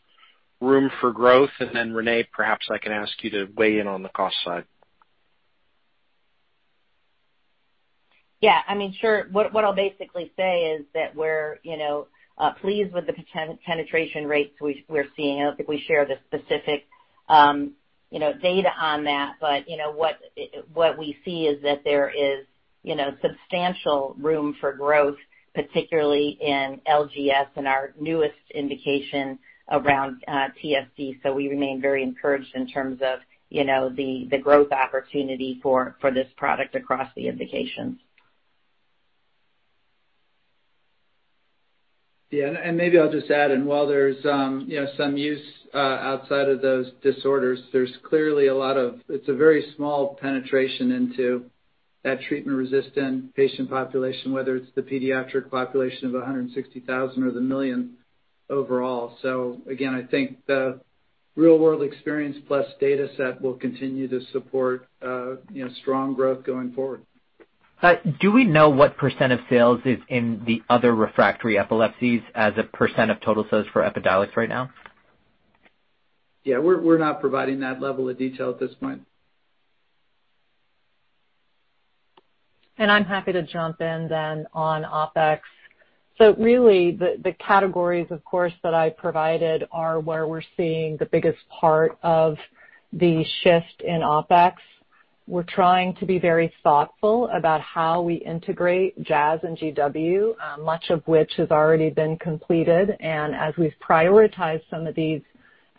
room for growth. Then Renee, perhaps I can ask you to weigh in on the cost side. Yeah, I mean, sure. What I'll basically say is that we're, you know, pleased with the penetration rates we're seeing. I don't think we share the specific, you know, data on that. You know, what we see is that there is you know, substantial room for growth, particularly in LGS and our newest indication around TSC. So we remain very encouraged in terms of, you know, the growth opportunity for this product across the indications. Maybe I'll just add in. While there's you know some use outside of those disorders, there's clearly a lot of. It's a very small penetration into that treatment-resistant patient population, whether it's the pediatric population of 160,000 or the million overall. Again, I think the real-world experience plus dataset will continue to support you know strong growth going forward. Do we know what pecent of sales is in the other refractory epilepsies as a percent of total sales for EPIDIOLEX right now? Yeah, we're not providing that level of detail at this point. I'm happy to jump in then on OpEx. Really the categories, of course, that I provided are where we're seeing the biggest part of the shift in OpEx. We're trying to be very thoughtful about how we integrate Jazz and GW, much of which has already been completed. As we've prioritized some of these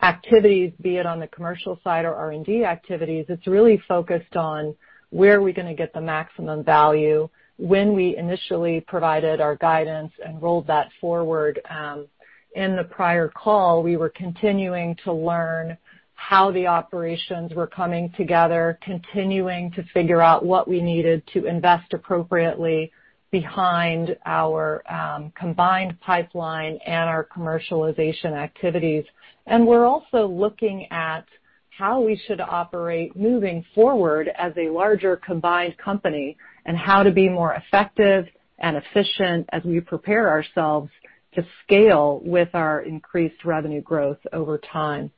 activities, be it on the commercial side or R&D activities, it's really focused on where are we gonna get the maximum value. When we initially provided our guidance and rolled that forward, in the prior call, we were continuing to learn how the operations were coming together, continuing to figure out what we needed to invest appropriately behind our combined pipeline and our commercialization activities. We're also looking at how we should operate moving forward as a larger combined company and how to be more effective and efficient as we prepare ourselves to scale with our increased revenue growth over time.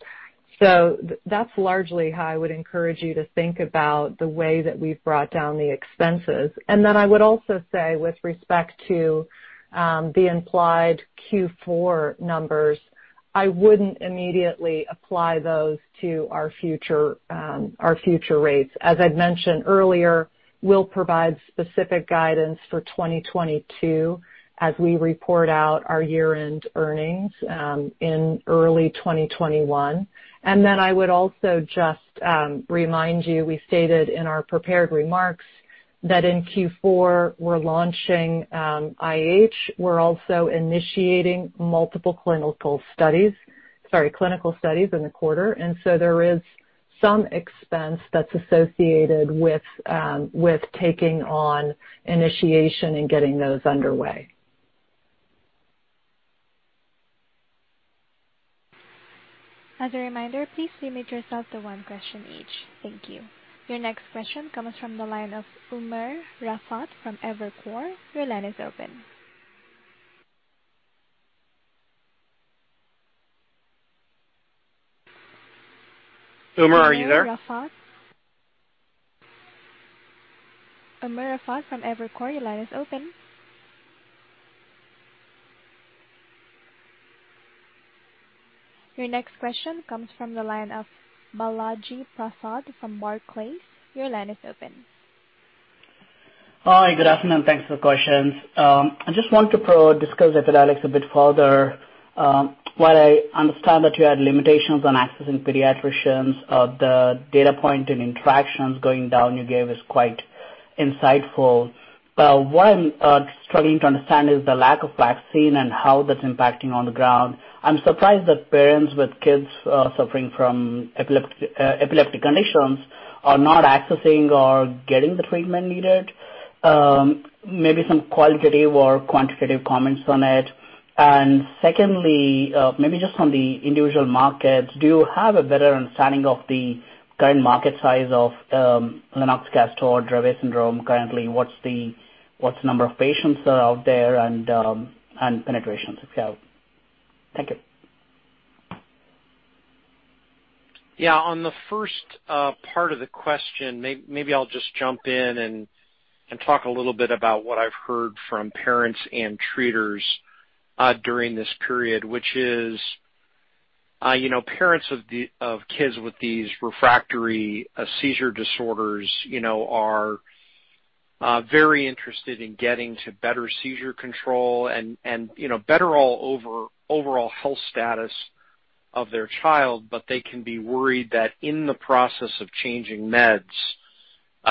That's largely how I would encourage you to think about the way that we've brought down the expenses. Then I would also say, with respect to the implied Q4 numbers, I wouldn't immediately apply those to our future rates. As I'd mentioned earlier, we'll provide specific guidance for 2022 as we report out our year-end earnings in early 2021. Then I would also just remind you, we stated in our prepared remarks that in Q4 we're launching IH. We're also initiating multiple clinical studies in the quarter. There is some expense that's associated with taking on initiation and getting those underway. As a reminder, please limit yourself to one question each. Thank you. Your next question comes from the line of Umer Raffat from Evercore. Your line is open. Umer, are you there? Umer Raffat? Umer Raffat from Evercore, your line is open. Your next question comes from the line of Balaji Prasad from Barclays. Your line is open. Hi, good afternoon. Thanks for the questions. I just want to discuss EPIDIOLEX a bit further. While I understand that you had limitations on accessing pediatricians, the data point and interactions going down you gave is quite insightful. What I'm struggling to understand is the lack of uptake and how that's impacting on the ground. I'm surprised that parents with kids suffering from epileptic conditions are not accessing or getting the treatment needed. Maybe some qualitative or quantitative comments on it. Secondly, maybe just on the individual markets, do you have a better understanding of the current market size of Lennox-Gastaut, Dravet syndrome currently? What's the number of patients that are out there and penetration, if you have? Thank you. Yeah, on the first part of the question, maybe I'll just jump in and talk a little bit about what I've heard from parents and treaters during this period, which is, you know, parents of kids with these refractory seizure disorders, you know, are very interested in getting to better seizure control and, you know, better overall health status of their child, but they can be worried that in the process of changing meds,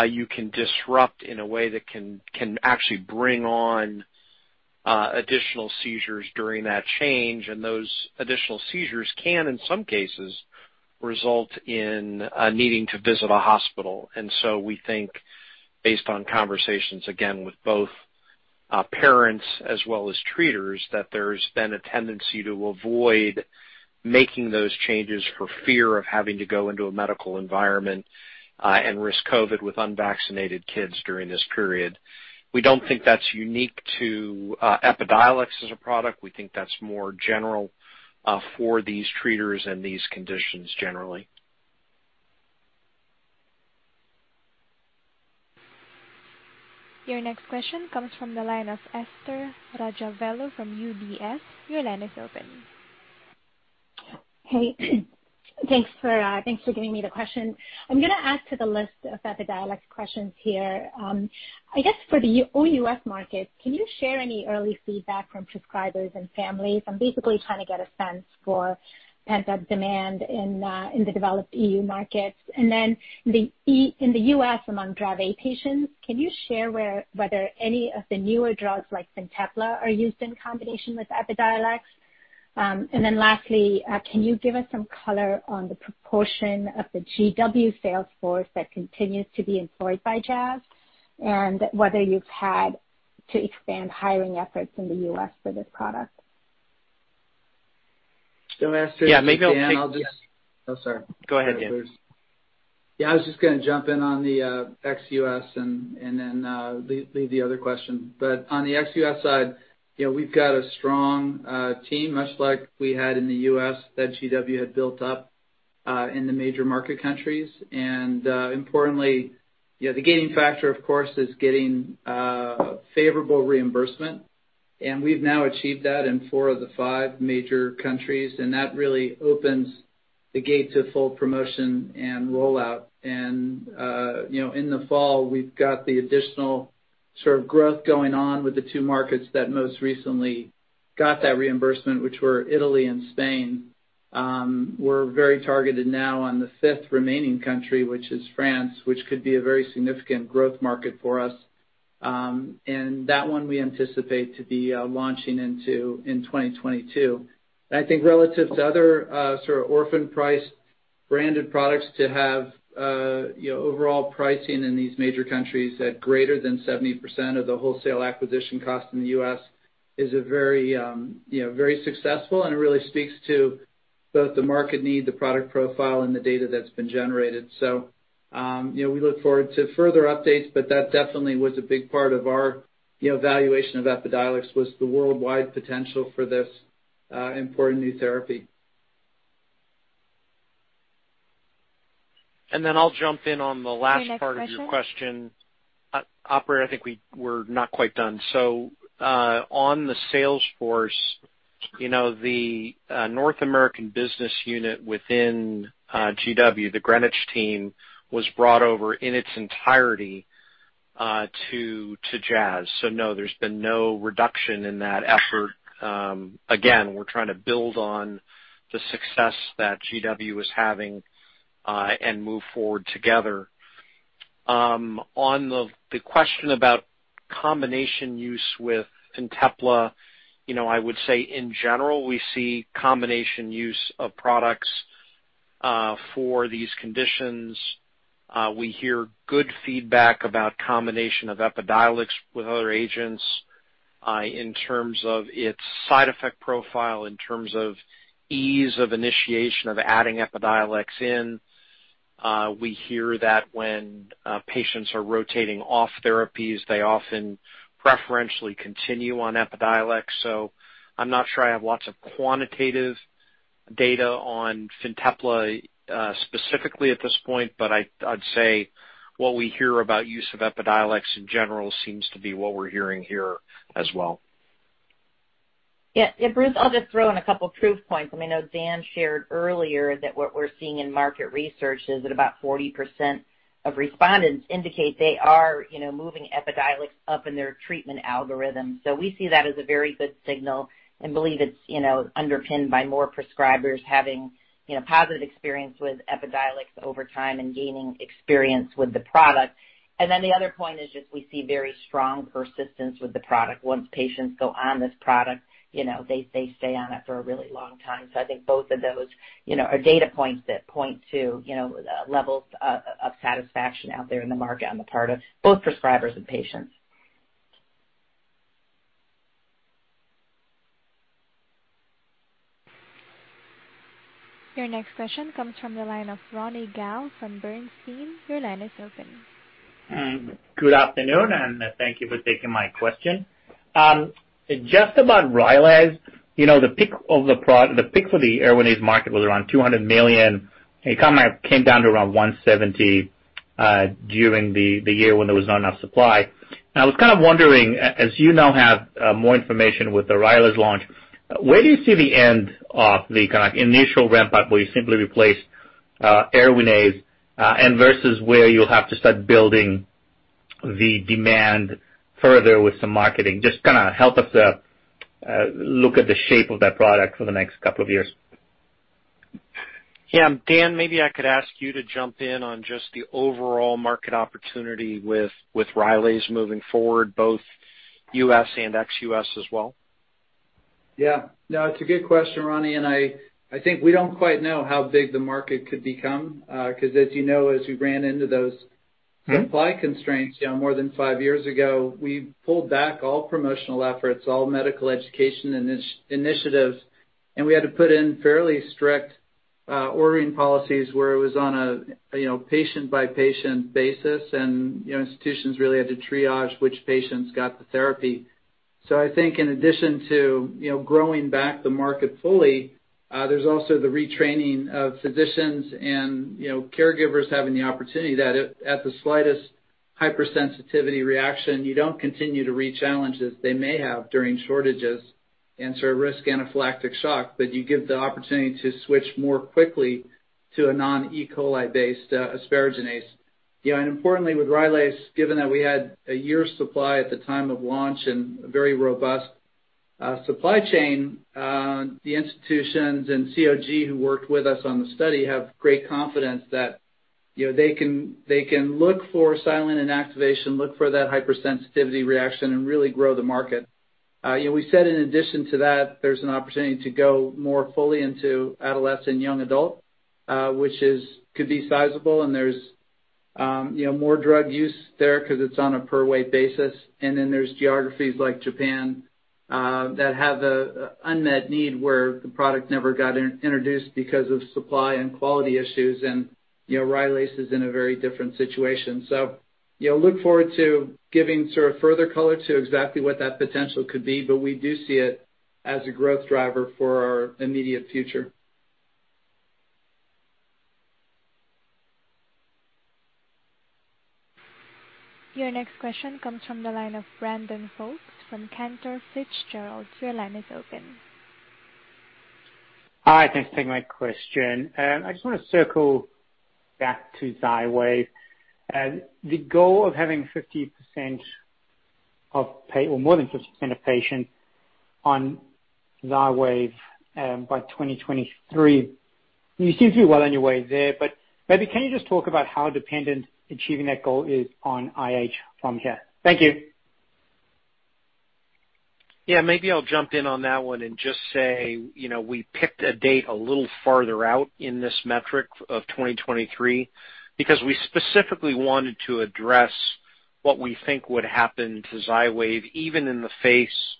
you can disrupt in a way that can actually bring on additional seizures during that change. Those additional seizures can, in some cases, result in needing to visit a hospital. We think based on conversations, again, with both parents as well as treaters, that there's been a tendency to avoid making those changes for fear of having to go into a medical environment and risk COVID with unvaccinated kids during this period. We don't think that's unique to EPIDIOLEX as a product. We think that's more general for these treaters and these conditions generally. Your next question comes from the line of Esther Rajavelu from UBS. Your line is open. Hey. Thanks for giving me the question. I'm gonna add to the list of EPIDIOLEX questions here. I guess for the ex-US markets, can you share any early feedback from prescribers and families? I'm basically trying to get a sense for pent-up demand in the developed EU markets. In the U.S. among Dravet patients, can you share whether any of the newer drugs like Fintepla are used in combination with EPIDIOLEX? Lastly, can you give us some color on the proportion of the GW sales force that continues to be employed by Jazz, and whether you've had to expand hiring efforts in the U.S. for this product? I'll ask Dan. Yeah, maybe I'll take. Oh, sorry. Go ahead, Dan. Yeah, I was just gonna jump in on the ex-U.S. and then leave the other question. On the ex-U.S. side, you know, we've got a strong team, much like we had in the U.S. that GW had built up in the major market countries. Importantly, you know, the key factor, of course, is getting favorable reimbursement. We've now achieved that in four of the five major countries, and that really opens the gate to full promotion and rollout. In the fall, we've got the additional sort of growth going on with the two markets that most recently got that reimbursement, which were Italy and Spain. We're very targeted now on the fifth remaining country, which is France, which could be a very significant growth market for us, and that one we anticipate to be launching into in 2022. I think relative to other sort of orphan-priced branded products to have you know overall pricing in these major countries at greater than 70% of the wholesale acquisition cost in the U.S. is a very you know very successful and it really speaks to both the market need, the product profile, and the data that's been generated. You know, we look forward to further updates, but that definitely was a big part of our you know valuation of EPIDIOLEX was the worldwide potential for this important new therapy. I'll jump in on the last part of your question. Your next question. Operator, I think we're not quite done. On the sales force, you know, the North American business unit within GW, the GW team, was brought over in its entirety to Jazz. No, there's been no reduction in that effort. Again, we're trying to build on the success that GW was having and move forward together. On the question about combination use with Fintepla, you know, I would say in general, we see combination use of products for these conditions. We hear good feedback about combination of EPIDIOLEX with other agents in terms of its side effect profile, in terms of ease of initiation of adding EPIDIOLEX in. We hear that when patients are rotating off therapies, they often preferentially continue on EPIDIOLEX. I'm not sure I have lots of quantitative data on Fintepla, specifically at this point, but I'd say what we hear about use of EPIDIOLEX in general seems to be what we're hearing here as well. Yeah, yeah, Bruce, I'll just throw in a couple proof points. I mean, I know Dan shared earlier that what we're seeing in market research is that about 40% of respondents indicate they are, you know, moving EPIDIOLEX up in their treatment algorithm. We see that as a very good signal and believe it's, you know, underpinned by more prescribers having, you know, positive experience with EPIDIOLEX over time and gaining experience with the product. Then the other point is just we see very strong persistence with the product. Once patients go on this product, you know, they stay on it for a really long time. I think both of those, you know, are data points that point to, you know, levels of satisfaction out there in the market on the part of both prescribers and patients. Your next question comes from the line of Ronny Gal from Bernstein. Your line is open. Good afternoon, and thank you for taking my question. Just about Rylaze, you know, the peak for the ERWINAZE market was around $200 million. It came down to around $170 million during the year when there was not enough supply. I was kind of wondering, as you now have more information with the Rylaze launch, where do you see the end of the kind of initial ramp-up where you simply replace ERWINAZE and versus where you'll have to start building the demand further with some marketing? Just kinda help us look at the shape of that product for the next couple of years. Yeah. Dan, maybe I could ask you to jump in on just the overall market opportunity with Rylaze moving forward, both U.S. and ex-U.S. as well. Yeah. No, it's a good question, Ronny, and I think we don't quite know how big the market could become, 'cause as you know, as we ran into those supply constraints, you know, more than five years ago, we pulled back all promotional efforts, all medical education initiatives, and we had to put in fairly strict ordering policies where it was on a, you know, patient-by-patient basis and, you know, institutions really had to triage which patients got the therapy. I think in addition to, you know, growing back the market fully, there's also the retraining of physicians and, you know, caregivers having the opportunity that at the slightest Hypersensitivity reaction, you don't continue to re-challenge as they may have during shortages and sort of risk anaphylactic shock, but you give the opportunity to switch more quickly to a non E. coli based asparaginase. You know, and importantly, with Rylaze, given that we had a year's supply at the time of launch and a very robust supply chain, the institutions and COG who worked with us on the study have great confidence that, you know, they can look for silent inactivation, look for that hypersensitivity reaction and really grow the market. You know, we said in addition to that, there's an opportunity to go more fully into adolescent young adult, which is, could be sizable. And there's, you know, more drug use there because it's on a per weight basis. There's geographies like Japan that have an unmet need where the product never got introduced because of supply and quality issues. You know, Rylaze is in a very different situation. You know, look forward to giving sort of further color to exactly what that potential could be, but we do see it as a growth driver for our immediate future. Your next question comes from the line of Brandon Folkes from Cantor Fitzgerald. Your line is open. Hi, thanks for taking my question. I just want to circle back to XYWAV. The goal of having 50% or more than 50% of patients on XYWAV, by 2023, you seem to be well on your way there. Maybe can you just talk about how dependent achieving that goal is on IH from here? Thank you. Yeah, maybe I'll jump in on that one and just say, you know, we picked a date a little farther out in this metric of 2023 because we specifically wanted to address what we think would happen to XYWAV, even in the face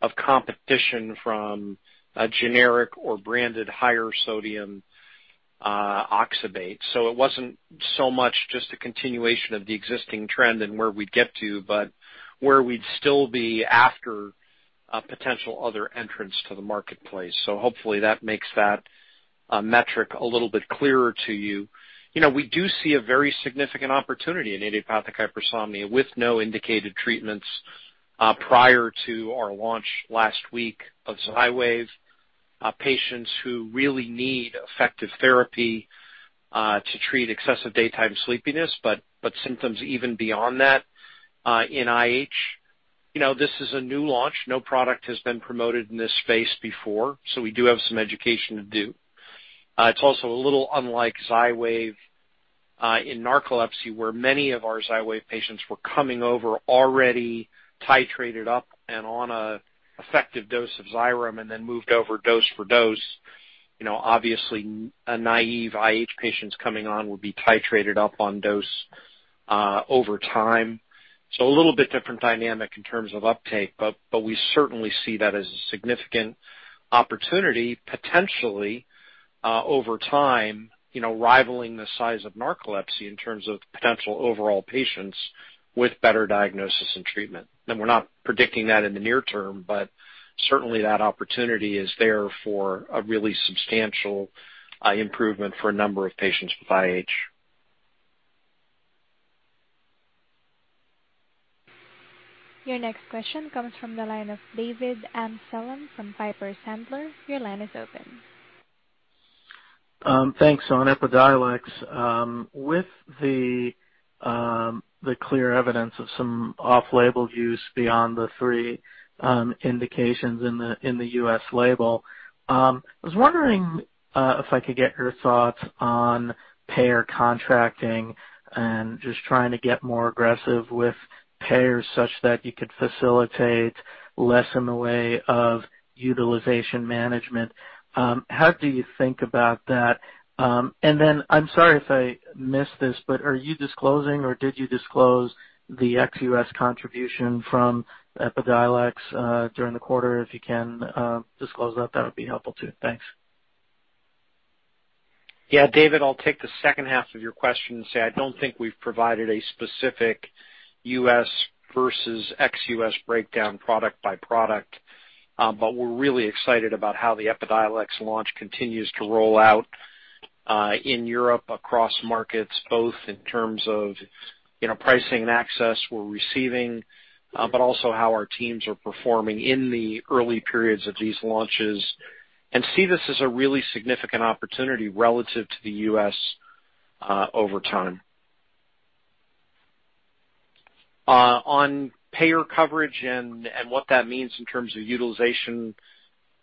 of competition from a generic or branded higher sodium oxybate. It wasn't so much just a continuation of the existing trend and where we'd get to, but where we'd still be after a potential other entrance to the marketplace. Hopefully that makes that metric a little bit clearer to you. You know, we do see a very significant opportunity in idiopathic hypersomnia with no indicated treatments prior to our launch last week of XYWAV, patients who really need effective therapy to treat excessive daytime sleepiness, but symptoms even beyond that in IH. You know, this is a new launch. No product has been promoted in this space before, so we do have some education to do. It's also a little unlike XYWAV in narcolepsy, where many of our XYWAV patients were coming over already titrated up and on an effective dose of Xyrem and then moved over dose for dose. You know, obviously a naive IH patient's coming on will be titrated up on dose over time. A little bit different dynamic in terms of uptake, but we certainly see that as a significant opportunity potentially over time, you know, rivaling the size of narcolepsy in terms of potential overall patients with better diagnosis and treatment. We're not predicting that in the near term, but certainly that opportunity is there for a really substantial improvement for a number of patients with IH. Your next question comes from the line of David Amsellem from Piper Sandler. Your line is open. Thanks. On EPIDIOLEX, with the clear evidence of some off-label use beyond the three indications in the U.S. label, I was wondering if I could get your thoughts on payer contracting and just trying to get more aggressive with payers such that you could facilitate less in the way of utilization management. How do you think about that? I'm sorry if I missed this, but are you disclosing or did you disclose the ex-U.S. contribution from EPIDIOLEX during the quarter? If you can disclose that would be helpful too. Thanks. Yeah, David, I'll take the second half of your question and say, I don't think we've provided a specific U.S. versus ex-U.S. breakdown product by product. We're really excited about how the EPIDIOLEX launch continues to roll out in Europe across markets, both in terms of, you know, pricing and access we're receiving, but also how our teams are performing in the early periods of these launches, and see this as a really significant opportunity relative to the U.S., over time. On payer coverage and what that means in terms of utilization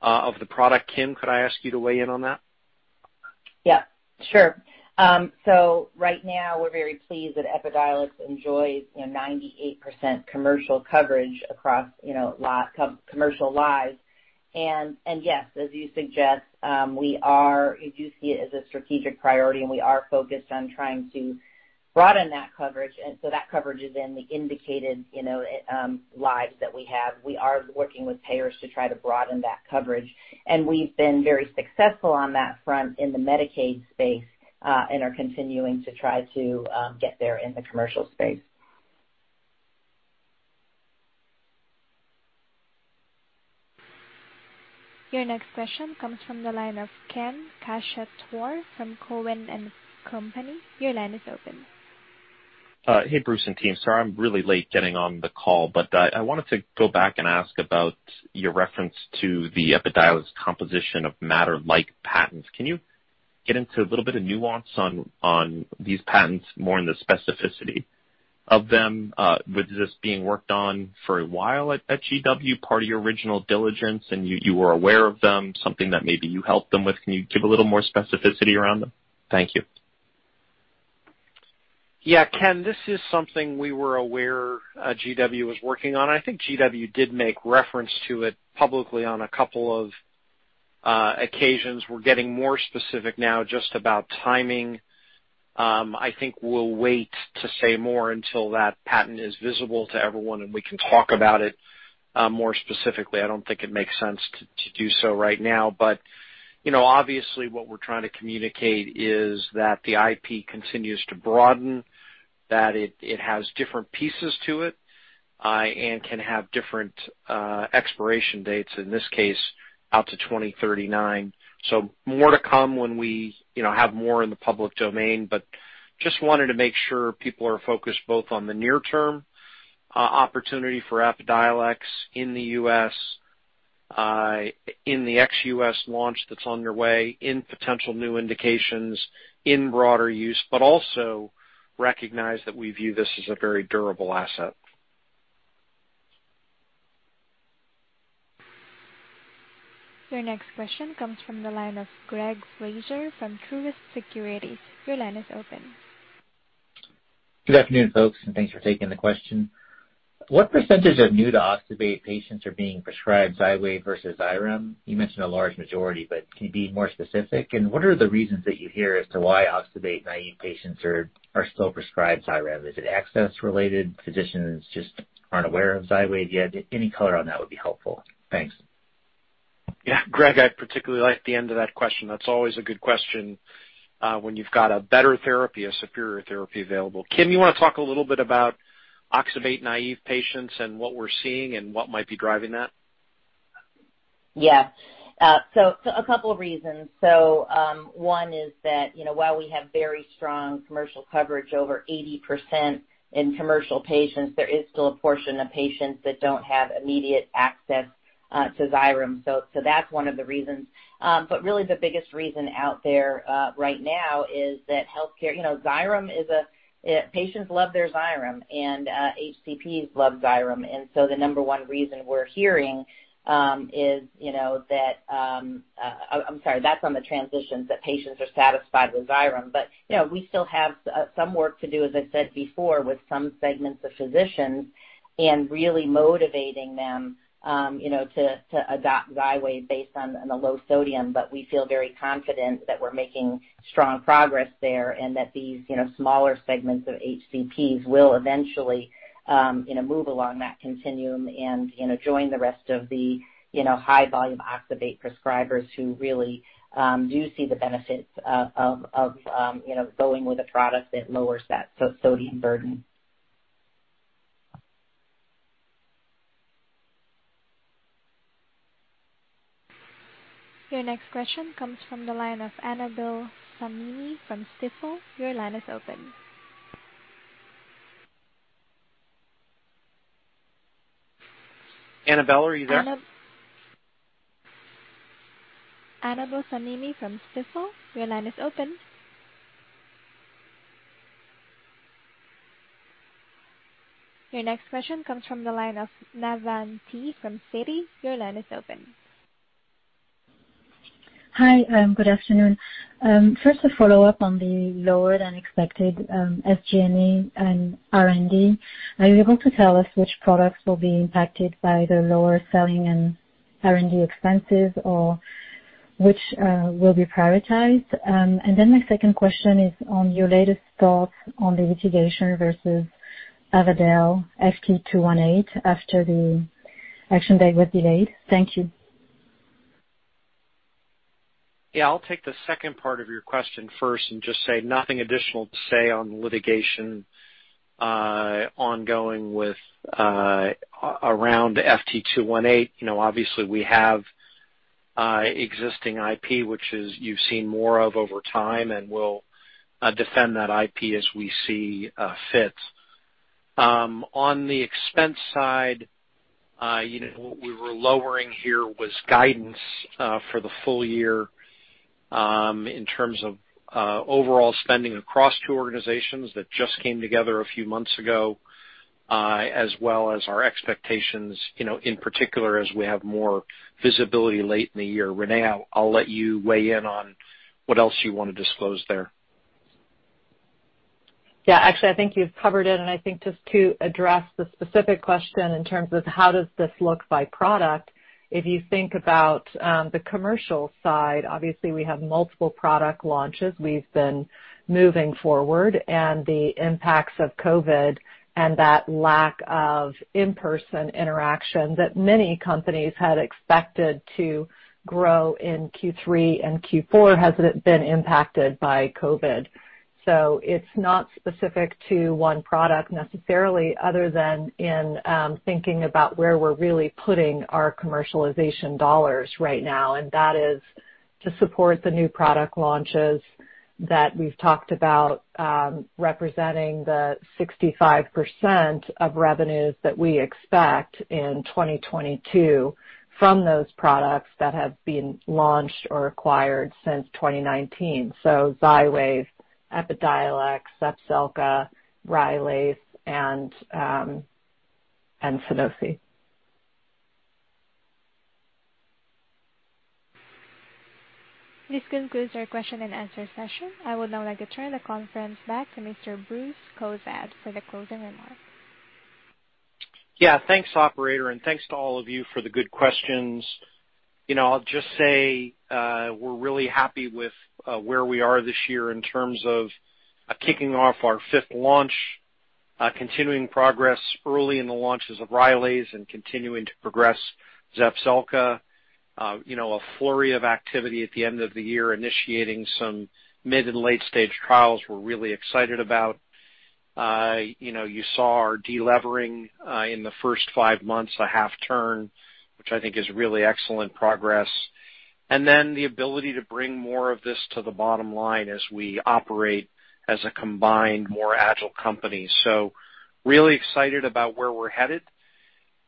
of the product, Kim, could I ask you to weigh in on that? Yeah, sure. So right now we're very pleased that EPIDIOLEX enjoys, you know, 98% commercial coverage across, you know, commercial lives. Yes, as you suggest, we do see it as a strategic priority, and we are focused on trying to broaden that coverage. That coverage is in the indicated, you know, lives that we have. We are working with payers to try to broaden that coverage. We've been very successful on that front in the Medicaid space, and are continuing to try to get there in the commercial space. Your next question comes from the line of Ken Cacciatore from Cowen and Company. Your line is open. Hey, Bruce and team. Sorry, I'm really late getting on the call, but I wanted to go back and ask about your reference to the EPIDIOLEX composition of matter-like patents. Can you get into a little bit of nuance on these patents, more in the specificity of them? Was this being worked on for a while at GW, part of your original diligence and you were aware of them, something that maybe you helped them with? Can you give a little more specificity around them? Thank you. Yeah, Ken, this is something we were aware GW was working on. I think GW did make reference to it publicly on a couple of occasions. We're getting more specific now just about timing. I think we'll wait to say more until that patent is visible to everyone, and we can talk about it more specifically. I don't think it makes sense to do so right now. You know, obviously what we're trying to communicate is that the IP continues to broaden, that it has different pieces to it, and can have different expiration dates, in this case, out to 2039. More to come when we have more in the public domain. Just wanted to make sure people are focused both on the near term opportunity for EPIDIOLEX in the U.S., in the ex-U.S. launch that's underway, in potential new indications, in broader use, but also recognize that we view this as a very durable asset. Your next question comes from the line of Greg Fraser from Truist Securities. Your line is open. Good afternoon, folks, and thanks for taking the question. What percentage of new to oxybate patients are being prescribed XYWAV versus Xyrem? You mentioned a large majority, but can you be more specific? What are the reasons that you hear as to why oxybate naive patients are still prescribed Xyrem? Is it access related, physicians just aren't aware of XYWAV yet? Any color on that would be helpful. Thanks. Yeah, Greg, I particularly like the end of that question. That's always a good question when you've got a better therapy, a superior therapy available. Kim, you wanna talk a little bit about oxybate-naive patients and what we're seeing and what might be driving that? Yeah. A couple of reasons. One is that, you know, while we have very strong commercial coverage over 80% in commercial patients, there is still a portion of patients that don't have immediate access to Xyrem. That's one of the reasons. Really the biggest reason out there right now is that, you know, patients love their Xyrem and HCPs love Xyrem. The number one reason we're hearing is, you know, that, I'm sorry, that's on the transitions that patients are satisfied with Xyrem. You know, we still have some work to do, as I said before, with some segments of physicians and really motivating them, you know, to adopt XYWAV based on the low sodium. We feel very confident that we're making strong progress there and that these, you know, smaller segments of HCPs will eventually, you know, move along that continuum and, you know, join the rest of the, you know, high volume oxybate prescribers who really do see the benefits of, you know, going with a product that lowers that sodium burden. Your next question comes from the line of Annabel Samimy from Stifel. Your line is open. Annabel, are you there? Annabel Samimy from Stifel, your line is open. Your next question comes from the line of Navann Ty from Citi. Your line is open. Hi, good afternoon. First, a follow-up on the lower than expected SG&A and R&D. Are you able to tell us which products will be impacted by the lower selling and R&D expenses or which will be prioritized? My second question is on your latest thoughts on the litigation versus Avadel FT218 after the action date was delayed. Thank you. Yeah, I'll take the second part of your question first and just say nothing additional to say on litigation ongoing with around FT218. You know, obviously we have existing IP, which you've seen more of over time and we'll defend that IP as we see fit. On the expense side, you know, what we were lowering here was guidance for the full year in terms of overall spending across two organizations that just came together a few months ago, as well as our expectations, you know, in particular, as we have more visibility late in the year. Renee, I'll let you weigh in on what else you wanna disclose there. Yeah, actually, I think you've covered it. I think just to address the specific question in terms of how does this look by product. If you think about the commercial side, obviously we have multiple product launches. We've been moving forward and the impacts of COVID and that lack of in-person interaction that many companies had expected to grow in Q3 and Q4 has been impacted by COVID. It's not specific to one product necessarily other than in thinking about where we're really putting our commercialization dollars right now. That is to support the new product launches that we've talked about, representing the 65% of revenues that we expect in 2022 from those products that have been launched or acquired since 2019. XYWAV, EPIDIOLEX, Zepzelca, Rylaze, and Sunosi. This concludes our question and answer session. I would now like to turn the conference back to Mr. Bruce Cozadd for the closing remarks. Yeah. Thanks, operator, and thanks to all of you for the good questions. You know, I'll just say, we're really happy with where we are this year in terms of kicking off our fifth launch, continuing progress early in the launches of Rylaze and continuing to progress Zepzelca. You know, a flurry of activity at the end of the year, initiating some mid- and late-stage trials we're really excited about. You know, you saw our delevering in the first 5 months, a half turn, which I think is really excellent progress. Then the ability to bring more of this to the bottom line as we operate as a combined, more agile company. Really excited about where we're headed,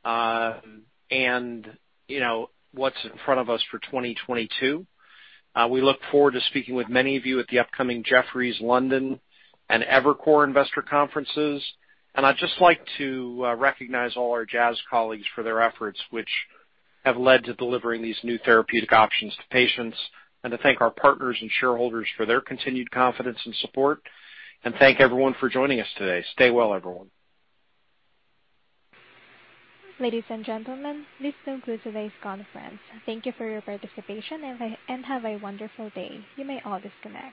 and you know, what's in front of us for 2022. We look forward to speaking with many of you at the upcoming Jefferies London and Evercore investor conferences. I'd just like to recognize all our Jazz colleagues for their efforts, which have led to delivering these new therapeutic options to patients, and to thank our partners and shareholders for their continued confidence and support. Thank everyone for joining us today. Stay well, everyone. Ladies and gentlemen, this concludes today's conference. Thank you for your participation and have a wonderful day. You may all disconnect.